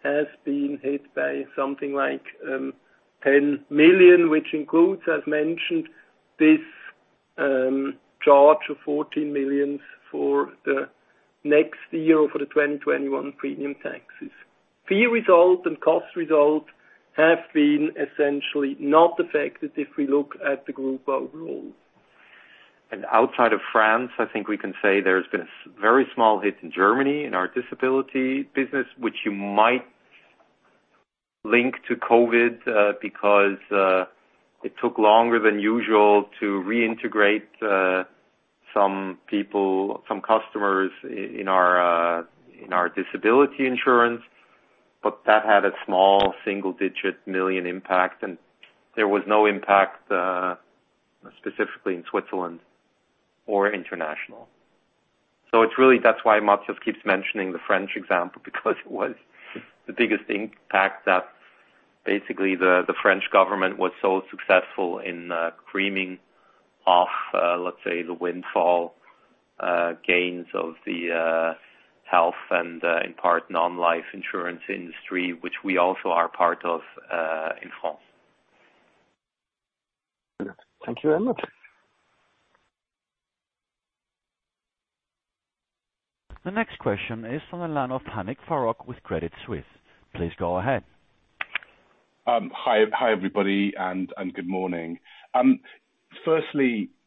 has been hit by something like 10 million, which includes, as mentioned, this charge of 14 million for the next year for the 2021 premium taxes. Fee result and cost result have been essentially not affected if we look at the group overall. Outside of France, I think we can say there's been a very small hit in Germany in our disability business, which you might link to COVID because it took longer than usual to reintegrate some customers in our disability insurance. That had a small single-digit million CHF impact. There was no impact specifically in Switzerland or international. That's why Matthias keeps mentioning the French example, because it was the biggest impact that basically the French government was so successful in creaming off, let's say, the windfall gains of the health and in part non-life insurance industry, which we also are part of in France. Thank you very much. The next question is from the line of Hanif, Farooq with Credit Suisse. Please go ahead.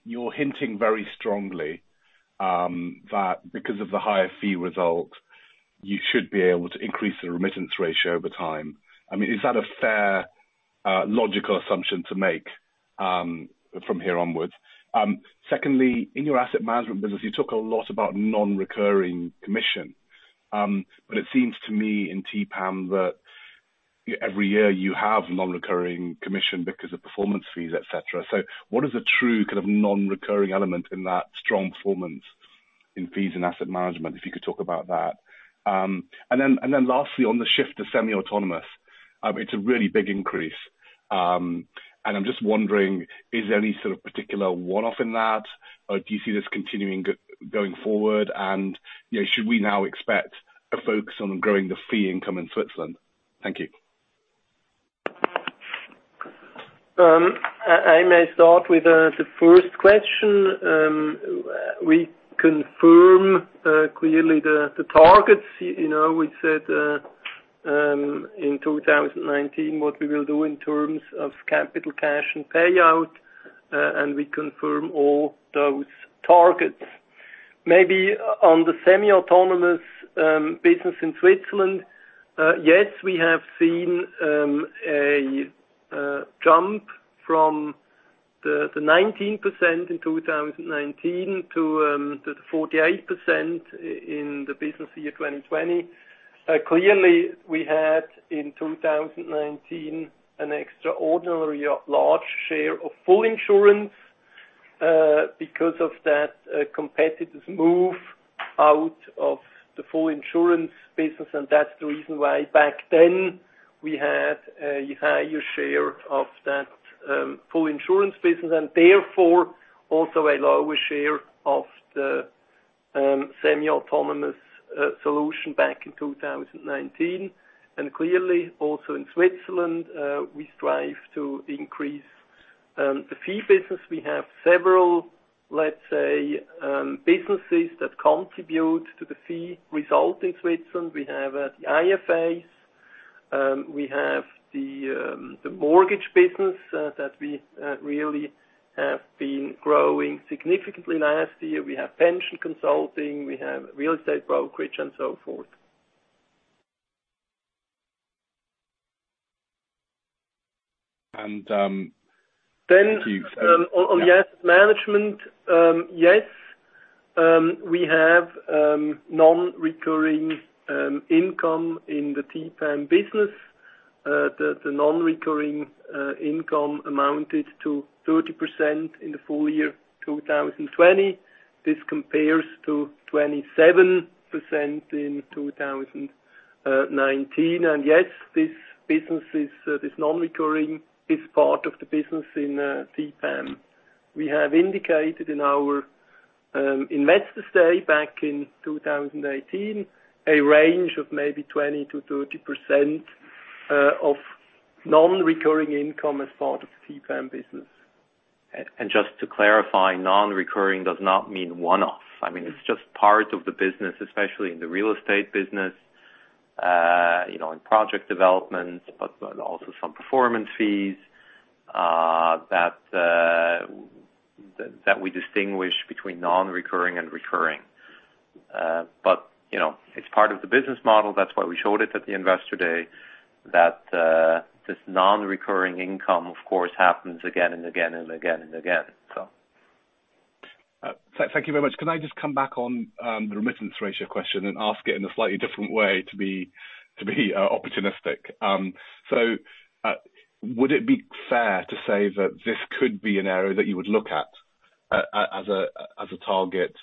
You're hinting very strongly that because of the higher fee result, you should be able to increase the remittance ratio over time. Is that a fair, logical assumption to make from here onwards? In your asset management business, you talk a lot about non-recurring commission. It seems to me in TPAM that every year you have non-recurring commission because of performance fees, et cetera. What is the true non-recurring element in that strong performance in fees and asset management, if you could talk about that? On the shift to semi-autonomous, it's a really big increase. I'm just wondering, is there any sort of particular one-off in that, or do you see this continuing going forward? Should we now expect a focus on growing the fee income in Switzerland? Thank you. I may start with the first question. We confirm clearly the targets. We said in 2019 what we will do in terms of capital cash and payout. We confirm all those targets. Maybe on the semi-autonomous business in Switzerland. Yes, we have seen a jump from the 19% in 2019 to the 48% in the business year 2020. Clearly, we had in 2019 an extraordinarily large share of full insurance because of that competitor's move out of the full insurance business. That's the reason why back then we had a higher share of that full insurance business and therefore also a lower share of the semi-autonomous solution back in 2019. Clearly also in Switzerland, we strive to increase the fee business. We have several, let's say, businesses that contribute to the fee result in Switzerland. We have the IFAs, we have the mortgage business that we really have been growing significantly last year. We have pension consulting, we have real estate brokerage and so forth. Thank you. On the asset management. Yes, we have non-recurring income in the TPAM business. The non-recurring income amounted to 30% in the full year 2020. This compares to 27% in 2019. Yes, this business is non-recurring, is part of the business in TPAM. We have indicated in our investor day back in 2018, a range of maybe 20%-30% of non-recurring income as part of the TPAM business. Just to clarify, non-recurring does not mean one-off. It's just part of the business, especially in the real estate business, in project development, but also some performance fees that we distinguish between non-recurring and recurring. It's part of the business model. That's why we showed it at the investor day that this non-recurring income, of course, happens again and again and again and again. Thank you very much. Can I just come back on the remittance ratio question and ask it in a slightly different way to be opportunistic? Would it be fair to say that this could be an area that you would look at as a target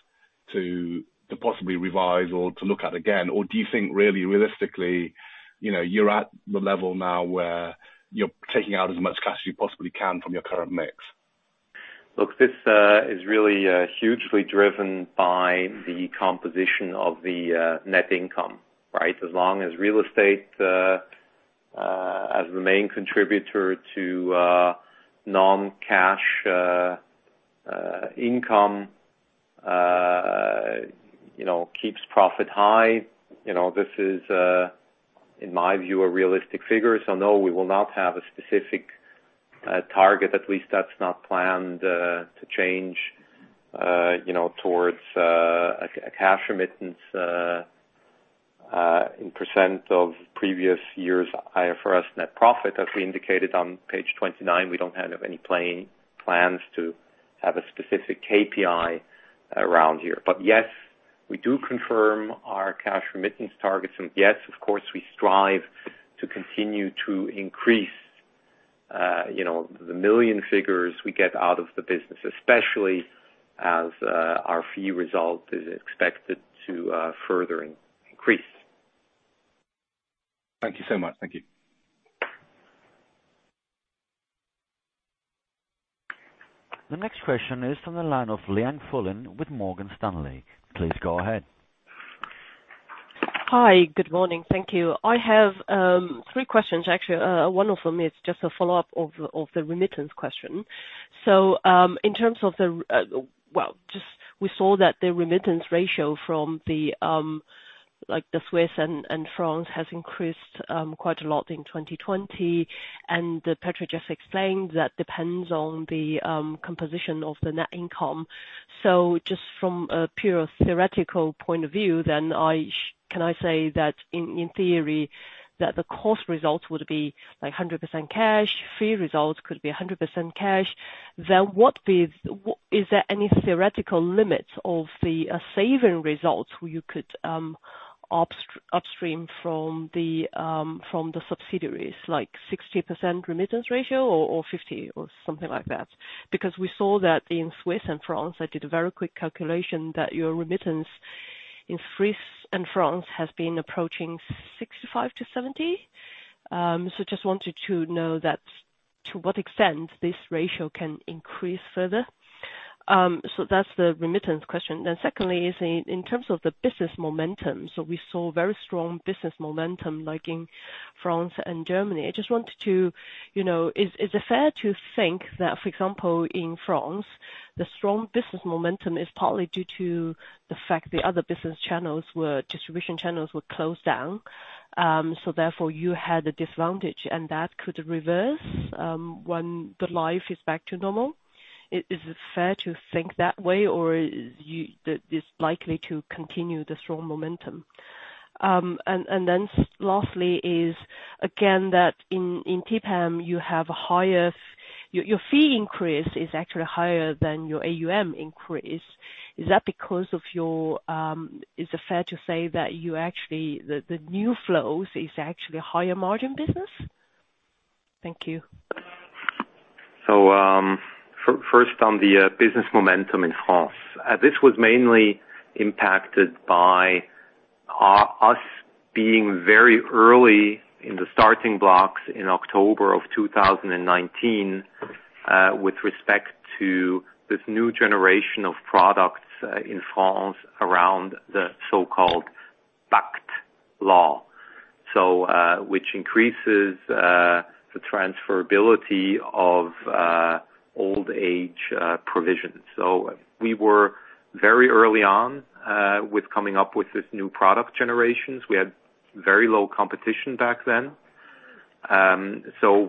to possibly revise or to look at again? Do you think really realistically, you're at the level now where you're taking out as much cash as you possibly can from your current mix? Look, this is really hugely driven by the composition of the net income, right? As long as real estate, as the main contributor to non-cash income, keeps profit high. This is, in my view, a realistic figure. No, we will not have a specific target. At least that's not planned to change towards a cash remittance in % of previous years' IFRS net profit. As we indicated on page 29, we don't have any plans to have a specific KPI around here. Yes, we do confirm our cash remittance targets. Yes, of course, we strive to continue to increase the million figures we get out of the business, especially as our fee result is expected to further increase. Thank you so much. Thank you. The next question is from the line of Liang, Fulin with Morgan Stanley. Please go ahead. Hi. Good morning. Thank you. I have three questions. One of them is just a follow-up of the remittance question. We saw that the remittance ratio from Swiss and Franc has increased quite a lot in 2020, and Patrick just explained that depends on the composition of the net income. Just from a pure theoretical point of view, can I say that in theory that the cost results would be 100% cash, fee results could be 100% cash? Is there any theoretical limits of the saving results you could upstream from the subsidiaries, like 60% remittance ratio or 50% or something like that? Because we saw that in Swiss and Franc, I did a very quick calculation that your remittance in Swiss and Franc has been approaching 65%-70%. Just wanted to know that to what extent this ratio can increase further. That's the remittance question. Secondly is in terms of the business momentum. We saw very strong business momentum like in France and Germany. Is it fair to think that, for example, in France, the strong business momentum is partly due to the fact the other business channels were distribution channels were closed down, so therefore you had a disadvantage and that could reverse when the life is back to normal? Is it fair to think that way or is this likely to continue the strong momentum? Lastly is again that in TPAM you have a higher-- your fee increase is actually higher than your AUM increase. Is it fair to say that the new flows is actually a higher margin business? Thank you. First on the business momentum in France. This was mainly impacted by us being very early in the starting blocks in October of 2019, with respect to this new generation of products in France around the so-called PACTE law. Which increases the transferability of old-age provisions. We were very early on with coming up with this new product generations. We had very low competition back then.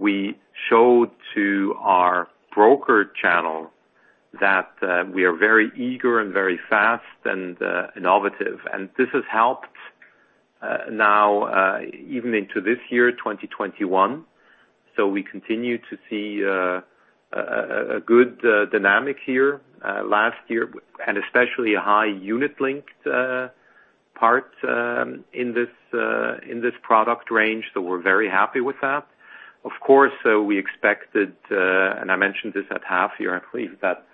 We showed to our broker channel that we are very eager and very fast and innovative. This has helped now even into this year, 2021. We continue to see a good dynamic here. Last year, especially a high unit-linked part in this product range. We're very happy with that. Of course, we expected, and I mentioned this at half year, I believe, that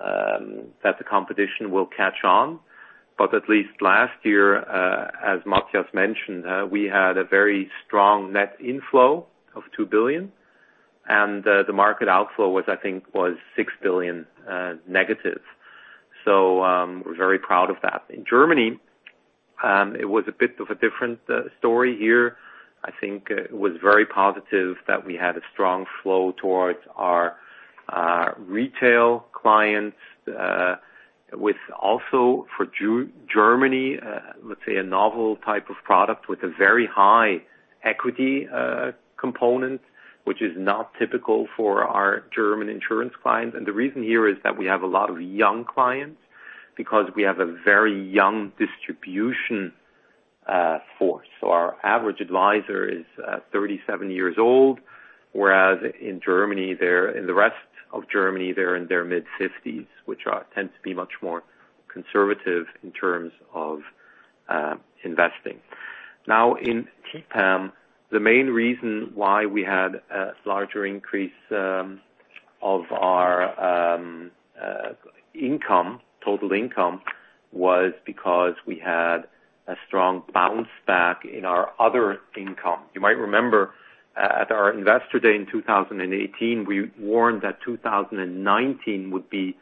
the competition will catch on, but at least last year, as Matthias mentioned, we had a very strong net inflow of 2 billion. The market outflow was, I think, was 6 billion negative. We're very proud of that. In Germany, it was a bit of a different story here. I think it was very positive that we had a strong flow towards our retail clients, with also for Germany, let's say a novel type of product with a very high equity component, which is not typical for our German insurance clients. The reason here is that we have a lot of young clients because we have a very young distribution force. Our average advisor is 37 years old, whereas in the rest of Germany, they're in their mid-50s, which tends to be much more conservative in terms of investing. In TPAM, the main reason why we had a larger increase of our total income was because we had a strong bounce back in our other income. You might remember at our investor day in 2018, we warned that 2019 would be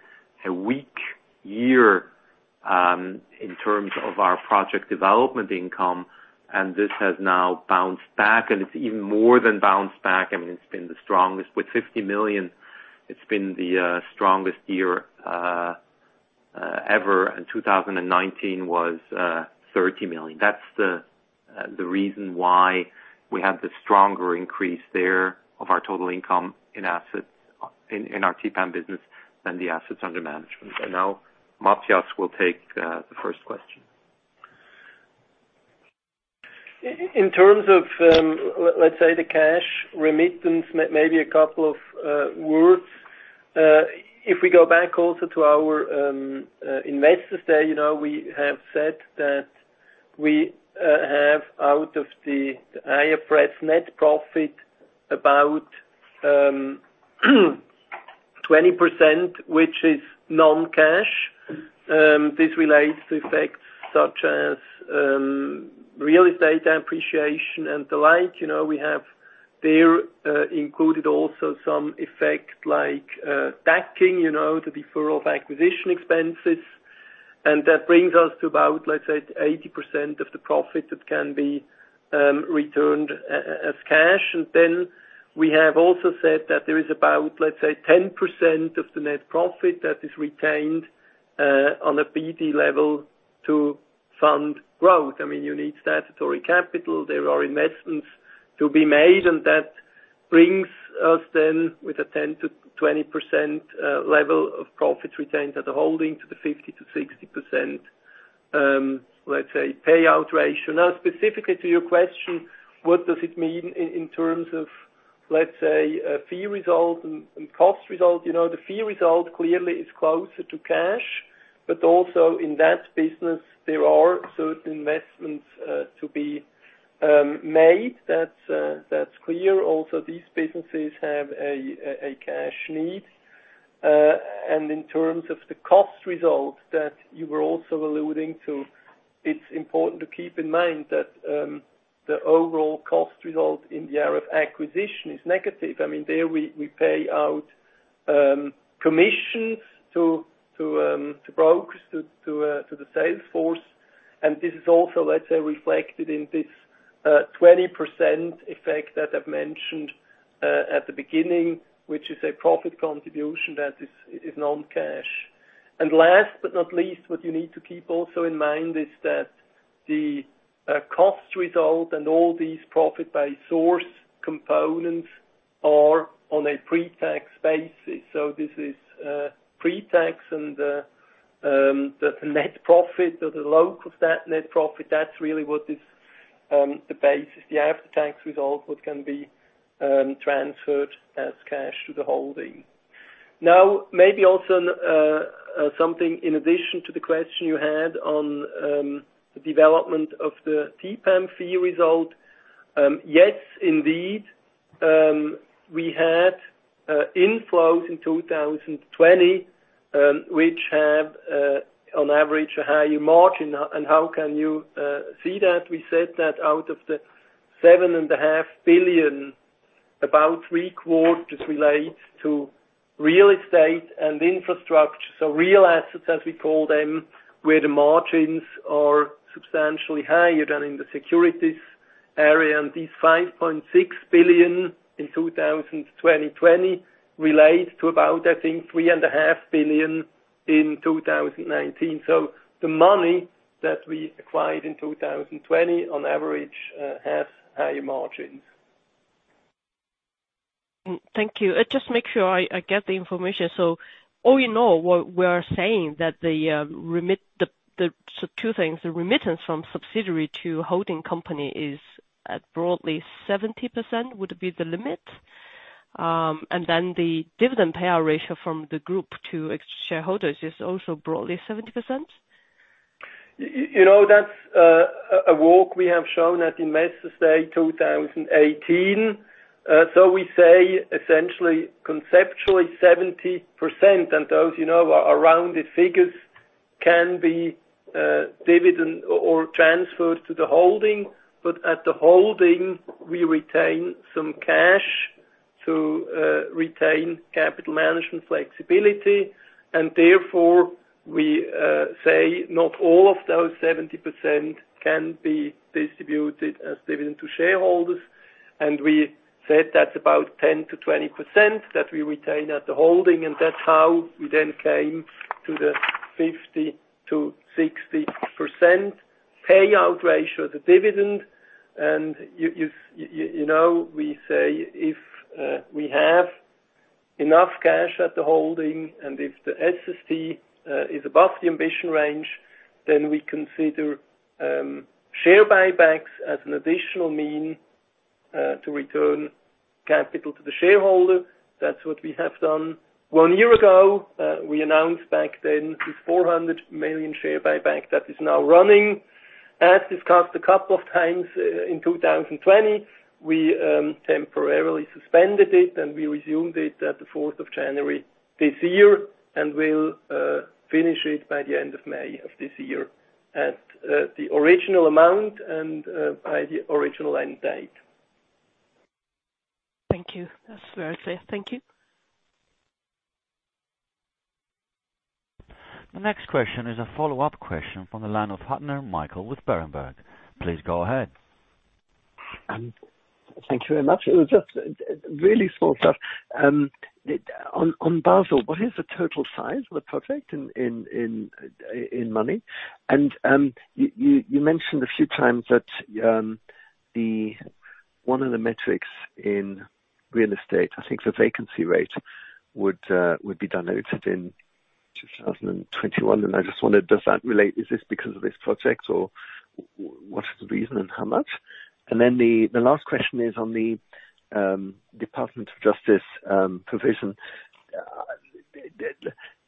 a weak year, in terms of our project development income, and this has now bounced back and it's even more than bounced back. I mean, it's been the strongest with 50 million. It's been the strongest year ever. 2019 was 30 million. That's the reason why we have the stronger increase there of our total income in our TPAM business than the assets under management. Matthias will take the first question. In terms of, let's say the cash remittance, maybe a couple of words. If we go back also to our investors there, we have said that we have out of the IFRS net profit about 20%, which is non-cash. This relates to effects such as real estate appreciation and the like. We have there included also some effect like backing, the deferral of acquisition expenses. That brings us to about, let's say, 80% of the profit that can be returned as cash. Then we have also said that there is about, let's say, 10% of the net profit that is retained on a PD level to fund growth. I mean, you need statutory capital. There are investments to be made, and that brings us then with a 10%-20% level of profit retained at a holding to the 50%-60%, let's say, payout ratio. Specifically to your question, what does it mean in terms of, let's say, a fee result and cost result? The fee result clearly is closer to cash, but also in that business, there are certain investments to be made. That's clear. These businesses have a cash need. In terms of the cost result that you were also alluding to, it's important to keep in mind that the overall cost result in the area of acquisition is negative. I mean, there we pay out commissions to brokers, to the sales force. This is also, let's say, reflected in this 20% effect that I've mentioned at the beginning, which is a profit contribution that is non-cash. Last but not least, what you need to keep also in mind is that the cost result and all these profit by source components are on a pre-tax basis. This is pre-tax and the net profit or the bulk of that net profit, that's really what is the basis. You have the tax result what can be transferred as cash to the Holding. Maybe also something in addition to the question you had on the development of the TPAM fee result. Yes, indeed, we had inflows in 2020, which have, on average, a higher margin. How can you see that? We said that out of the 7.5 billion, about three quarters relates to real estate and Infrastructure. Real assets, as we call them, where the margins are substantially higher than in the securities area. These 5.6 billion in 2020 relates to about, I think, 3.5 billion in 2019. The money that we acquired in 2020, on average, have higher margins. Thank you. Just make sure I get the information. All in all, what we are saying that, two things, the remittance from subsidiary to holding company is at broadly 70%, would it be the limit? The dividend payout ratio from the group to shareholders is also broadly 70%? That's a walk we have shown at Investor Day 2018. We say essentially conceptually 70%, and those are rounded figures, can be dividend or transferred to the holding. At the holding, we retain some cash to retain capital management flexibility, and therefore, we say not all of those 70% can be distributed as dividend to shareholders. We said that's about 10%-20% that we retain at the holding, and that's how we then came to the 50%-60% payout ratio of the dividend. You know we say, if we have enough cash at the holding and if the SST is above the ambition range, then we consider share buybacks as an additional mean to return capital to the shareholder. That's what we have done. One year ago, we announced back then this 400 million share buyback that is now running. As discussed a couple of times in 2020, we temporarily suspended it, and we resumed it at the 4th of January this year, and will finish it by the end of May of this year at the original amount and by the original end date. Thank you. That's very clear. Thank you. The next question is a follow-up question from the line of Huttner, Michael with Berenberg. Please go ahead. Thank you very much. It was just really small stuff. On Basel, what is the total size of the project in money? You mentioned a few times that one of the metrics in real estate, I think the vacancy rate would be done noted in 2021. I just wondered, is this because of this project or what is the reason and how much? The last question is on the Department of Justice provision.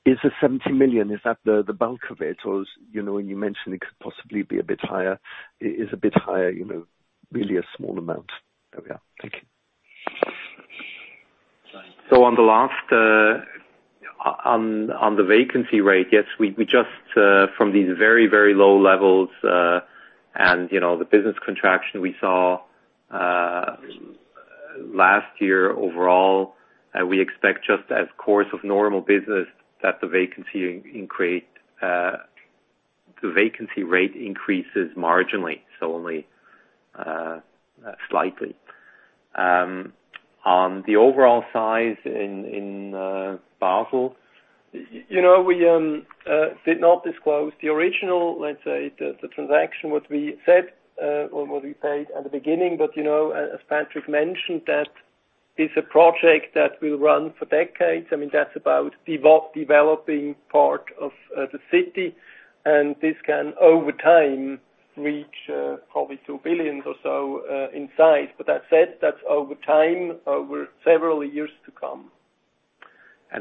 Is the 70 million, is that the bulk of it, or when you mentioned it could possibly be a bit higher, really a small amount? There we are. Thank you. On the vacancy rate, yes, we just from these very low levels, and the business contraction we saw last year overall, we expect just as course of normal business that the vacancy rate increases marginally, so only slightly. On the overall size in Basel. We did not disclose the original, let's say, the transaction, what we said or what we paid at the beginning. As Patrick mentioned, that is a project that will run for decades. I mean, that's about developing part of the city, and this can, over time, reach probably 2 billion or so in size. That said, that's over time, over several years to come.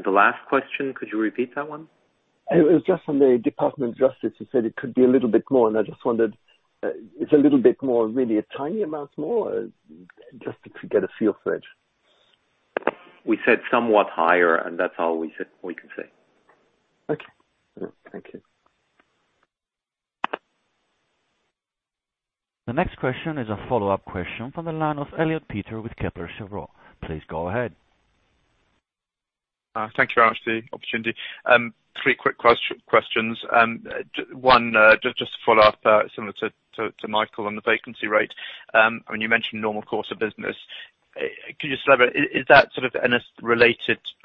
The last question, could you repeat that one? It was just on the Department of Justice. You said it could be a little bit more, and I just wondered, is a little bit more really a tiny amount more? Just to get a feel for it. We said somewhat higher, and that's all we can say. Okay. Thank you. The next question is a follow-up question from the line of Eliott, Peter with Kepler Cheuvreux. Please go ahead. Thank you very much for the opportunity. Three quick questions. One, just to follow up, similar to Michael on the vacancy rate. When you mentioned normal course of business, could you just elaborate,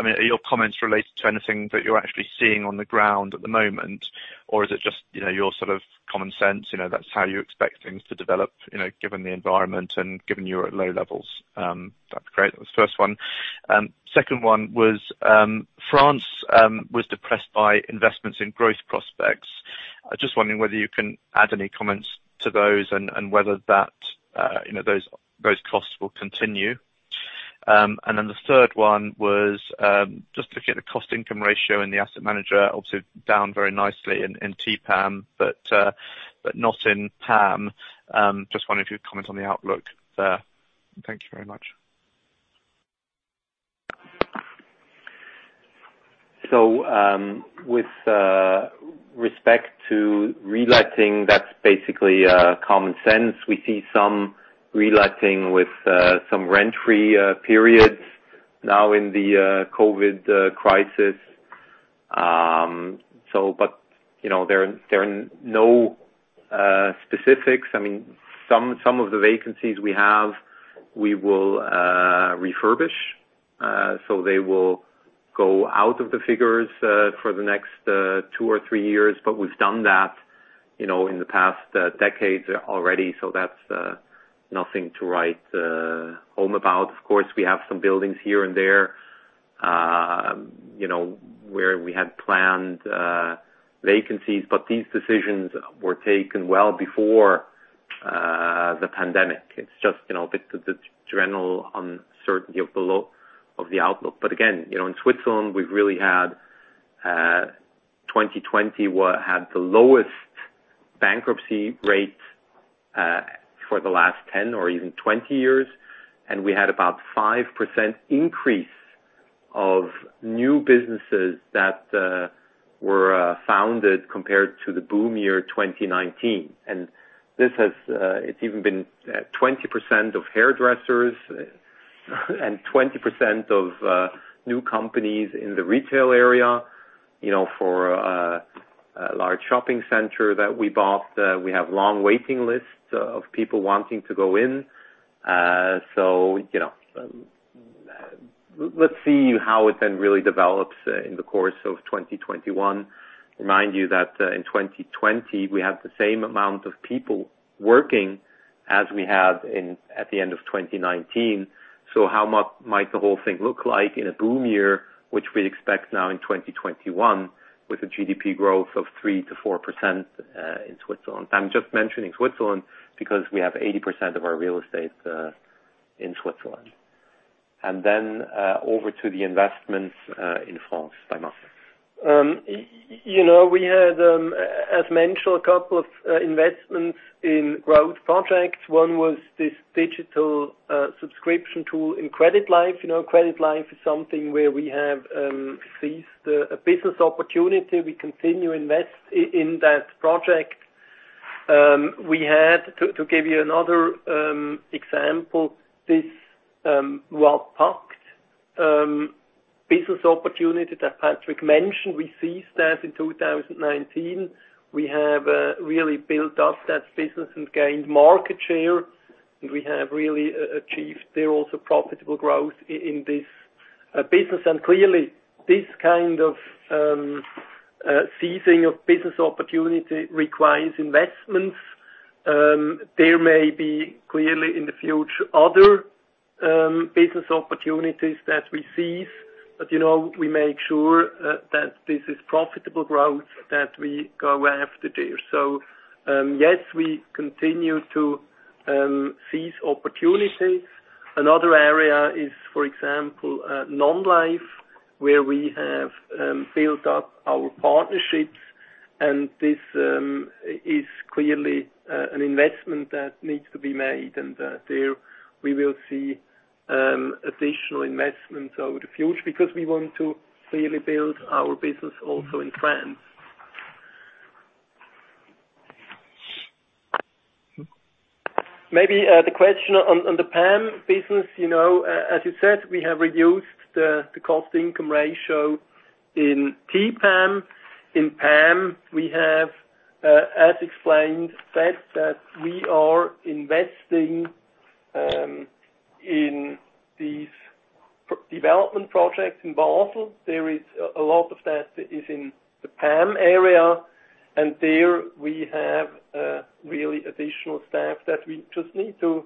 are your comments related to anything that you're actually seeing on the ground at the moment? Or is it just your sort of common sense, that's how you expect things to develop, given the environment and given you're at low levels? That'd be great. That was the first one. Second one was, France was depressed by investments in growth prospects. I was just wondering whether you can add any comments to those and whether those costs will continue. Then the third one was just looking at the cost-income ratio and the asset manager, obviously down very nicely in TPAM, but not in PAM. Just wondering if you'd comment on the outlook there. Thank you very much. With respect to reletting, that's basically common sense. We see some reletting with some rent-free periods now in the COVID crisis. There are no specifics. Some of the vacancies we have, we will refurbish. They will go out of the figures for the next two or three years. We've done that in the past decades already, that's nothing to write home about. Of course, we have some buildings here and there where we had planned vacancies, these decisions were taken well before the pandemic. It's just the general uncertainty of the outlook. Again, in Switzerland, we've really had 2020 had the lowest bankruptcy rate for the last 10 or even 20 years, and we had about 5% increase of new businesses that were founded compared to the boom year 2019. It's even been 20% of hairdressers and 20% of new companies in the retail area. For a large shopping center that we bought, we have long waiting lists of people wanting to go in. Let's see how it then really develops in the course of 2021. Remind you that in 2020, we have the same amount of people working as we have at the end of 2019. How might the whole thing look like in a boom year, which we expect now in 2021, with a GDP growth of 3%-4% in Switzerland? I'm just mentioning Switzerland because we have 80% of our real estate in Switzerland. Over to the investments in France by Matthias. We had, as mentioned, a couple of investments in growth projects. One was this digital subscription tool in Credit Life. Credit Life is something where we have seized a business opportunity. We continue to invest in that project. We had, to give you another example, this Loi PACTE business opportunity that Patrick mentioned. We seized that in 2019. We have really built up that business and gained market share, and we have really achieved there also profitable growth in this business. Clearly, this kind of seizing of business opportunity requires investments. There may be, clearly in the future, other business opportunities that we seize, but we make sure that this is profitable growth that we go after there. Yes, we continue to seize opportunities. Another area is, for example, non-life, where we have built up our partnerships. This is clearly an investment that needs to be made. There we will see additional investments over the future because we want to clearly build our business also in France. Maybe the question on the PAM business. As you said, we have reduced the cost-income ratio in TPAM. In PAM, we have, as explained, said that we are investing in these development projects in Basel. A lot of that is in the PAM area. There we have really additional staff that we just need to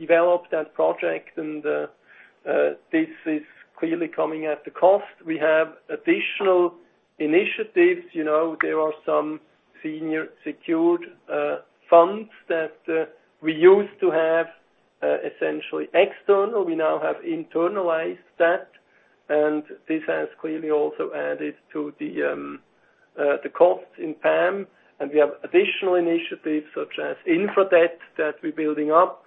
develop that project. This is clearly coming at a cost. We have additional initiatives. There are some senior secured funds that we used to have essentially external. We now have internalized that. This has clearly also added to the cost in PAM. We have additional initiatives such as InfraDebt that we're building up.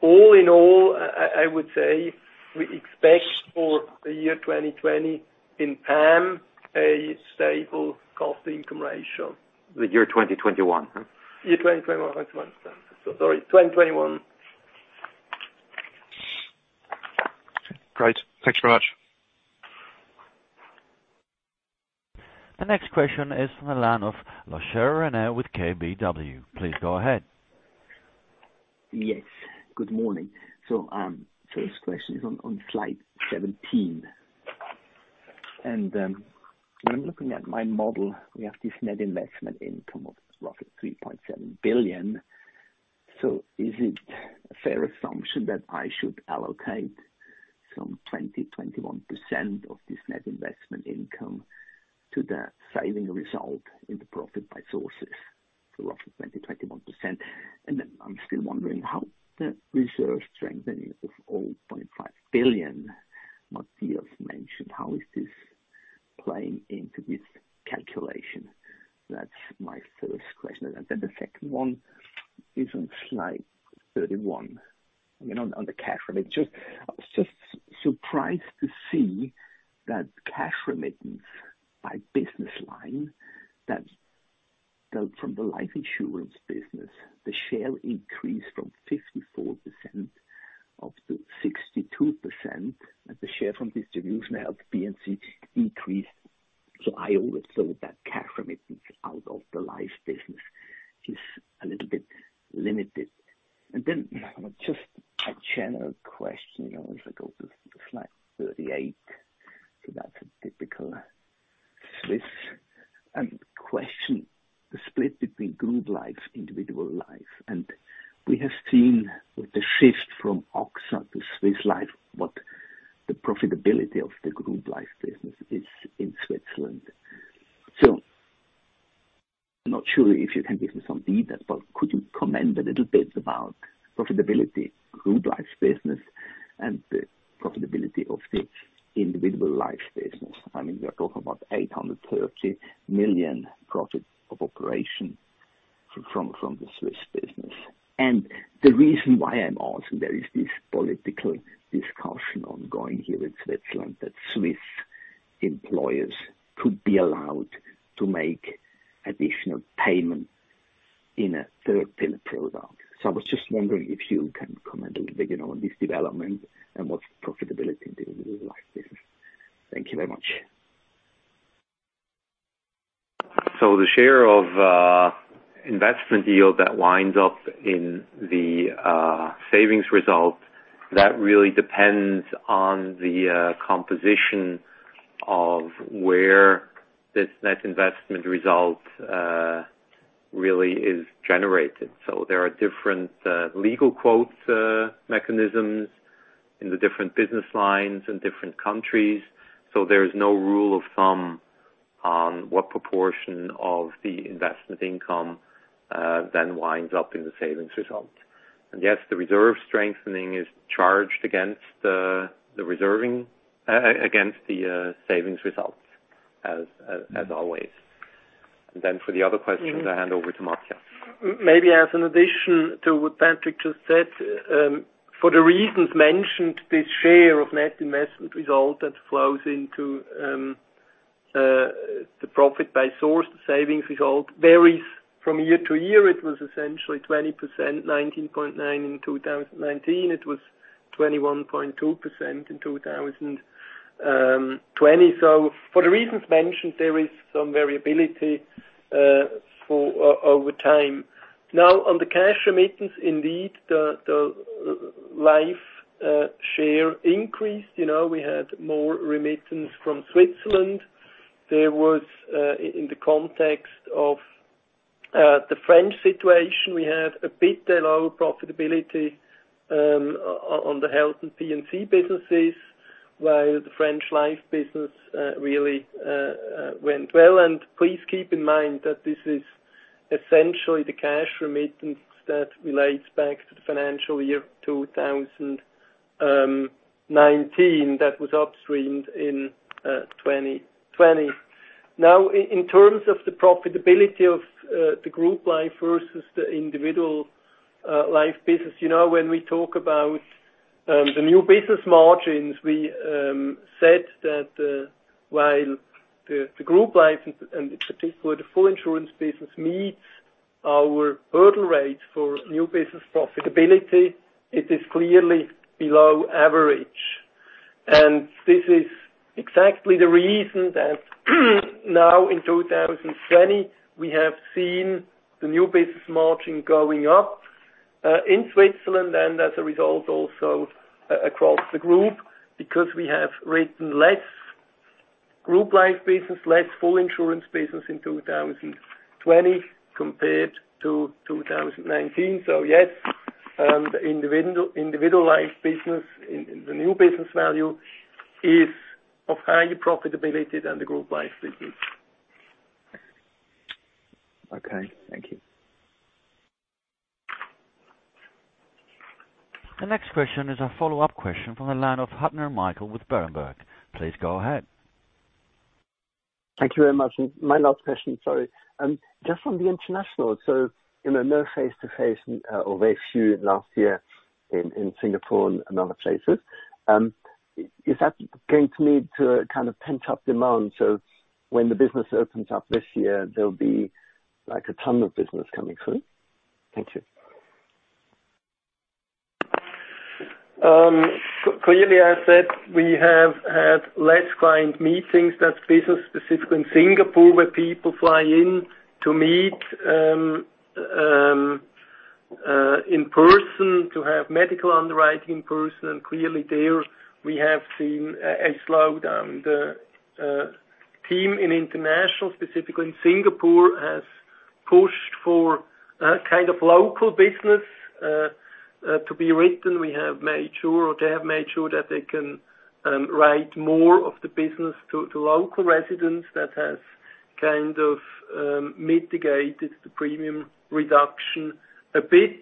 All in all, I would say we expect for the year 2020 in PAM a stable cost-income ratio. The year 2021, huh? Year 2021. Sorry, 2021. Great. Thanks very much. The next question is from the line of Michele Ballatore with KBW. Please go ahead. Yes. Good morning. First question is on slide 17. When I'm looking at my model, we have this net investment income of roughly 3.7 billion. Is it a fair assumption that I should allocate some 20%, 21% of this net investment income to the saving result in the profit by sources, so roughly 20%, 21%? I'm still wondering how the reserve strengthening of 0.5 billion Matthias mentioned, how is this playing into this calculation? That's my first question. The second one is on slide 31. On the cash remittance. I was just surprised to see that cash remittance by business line, that from the life insurance business, the share increased from 54% up to 62%, and the share from distribution health P&C decreased. I always thought that cash remittance out of the life business is a little bit limited. Just a general question. If I go to slide 38, that's a typical Swiss question, the split between group life, individual life. We have seen with the shift from AXA to Swiss Life what the profitability of the group life business is in Switzerland. I'm not sure if you can give me some detail, but could you comment a little bit about profitability group life business and the profitability of the individual life business? We are talking about 830 million profit of operation from the Swiss business. The reason why I'm asking, there is this political discussion ongoing here in Switzerland that Swiss employers could be allowed to make additional payment in a third pillar product. I was just wondering if you can comment a little bit on this development and what's the profitability in the individual life business. Thank you very much. The share of investment yield that winds up in the savings result, that really depends on the composition of where this net investment result really is generated. There are different legal quotes mechanisms in the different business lines, in different countries. There's no rule of thumb on what proportion of the investment income then winds up in the savings result. Yes, the reserve strengthening is charged against the savings results as always. Then for the other questions, I hand over to Matthias. Maybe as an addition to what Patrick just said, for the reasons mentioned, this share of net investment result that flows into the profit by source, the savings result varies from year to year. It was essentially 20%, 19.9% in 2019. It was 21.2% in 2020. For the reasons mentioned, there is some variability over time. Now, on the cash remittance, indeed the life share increased. We had more remittance from Switzerland. There was, in the context of the French situation, we had a bit lower profitability on the health and P&C businesses, while the French life business really went well. Please keep in mind that this is essentially the cash remittance that relates back to the financial year 2019 that was upstreamed in 2020. Now, in terms of the profitability of the group life versus the individual life business. When we talk about the new business margins, we said that while the group life, and in particular the full insurance business, meets our hurdle rate for new business profitability, it is clearly below average. This is exactly the reason that now in 2020, we have seen the new business margin going up in Switzerland, as a result, also across the group, because we have written less group life business, less full insurance business in 2020 compared to 2019. Yes, the individual life business, the new business value is of higher profitability than the group life business. Okay. Thank you. The next question is a follow-up question from the line of Huttner, Michael with Berenberg. Please go ahead. Thank you very much. My last question, sorry. Just on the international. No face-to-face or very few last year in Singapore and other places. Is that going to lead to kind of pent-up demand? When the business opens up this year, there'll be like a ton of business coming through? Thank you. Clearly, I said we have had less client meetings. That's business-specific in Singapore, where people fly in to meet in person to have medical underwriting in person. Clearly there we have seen a slowdown. The team in international, specifically in Singapore, has pushed for local business to be written. They have made sure that they can write more of the business to local residents. That has mitigated the premium reduction a bit.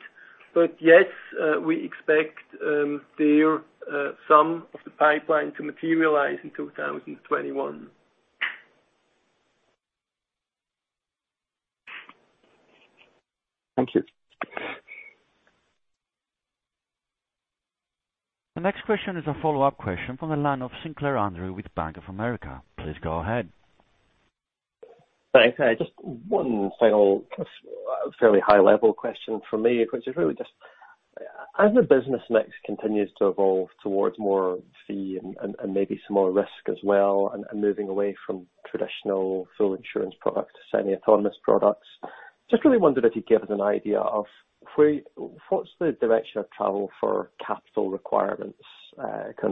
Yes, we expect their sum of the pipeline to materialize in 2021. Thank you. The next question is a follow-up question from the line of Sinclair, Andrew with Bank of America. Please go ahead. Thanks. Just one final, fairly high-level question from me, which is really just as the business mix continues to evolve towards more fee and maybe some more risk as well, moving away from traditional full insurance product to semi-autonomous products, just really wondered if you'd give us an idea of what's the direction of travel for capital requirements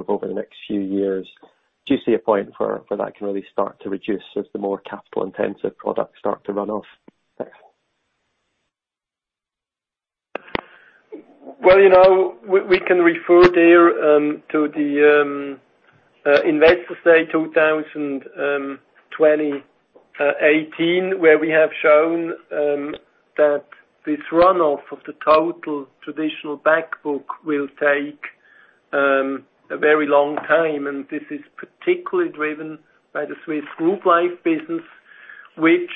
over the next few years? Do you see a point where that can really start to reduce as the more capital-intensive products start to run off? Thanks. We can refer there to the Investors Day 2018, where we have shown that this runoff of the total traditional back book will take a very long time, and this is particularly driven by the Swiss group life business, which,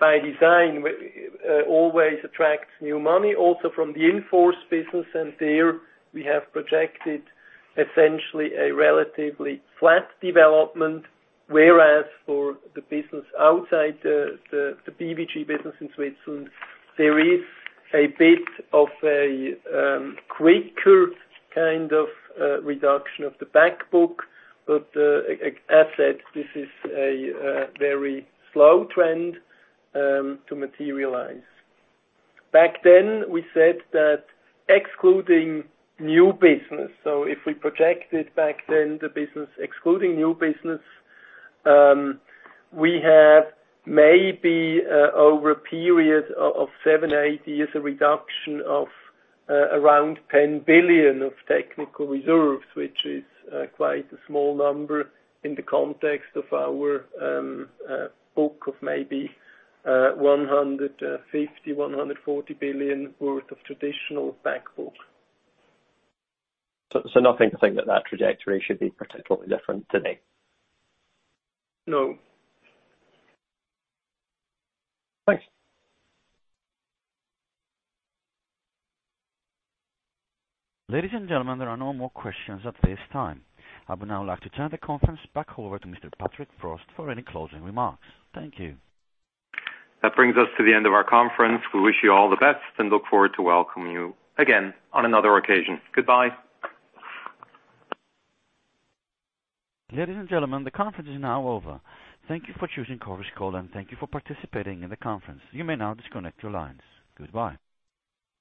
by design, always attracts new money, also from the in-force business, and there we have projected essentially a relatively flat development. Whereas for the business outside the BVG business in Switzerland, there is a bit of a quicker reduction of the back book. As I said, this is a very slow trend to materialize. Back then we said that excluding new business, if we projected back then the business excluding new business, we have maybe over a period of seven, eight years, a reduction of around 10 billion of technical reserves, which is quite a small number in the context of our book of maybe 150 billion, 140 billion worth of traditional back book. Nothing to think that that trajectory should be particularly different today? No. Thanks. Ladies and gentlemen, there are no more questions at this time. I would now like to turn the conference back over to Mr. Patrick Frost for any closing remarks. Thank you. That brings us to the end of our conference. We wish you all the best and look forward to welcome you again on another occasion. Goodbye. Ladies and gentlemen, the conference is now over. Thank you for choosing Conference Call, and thank you for participating in the conference. You may now disconnect your lines. Goodbye.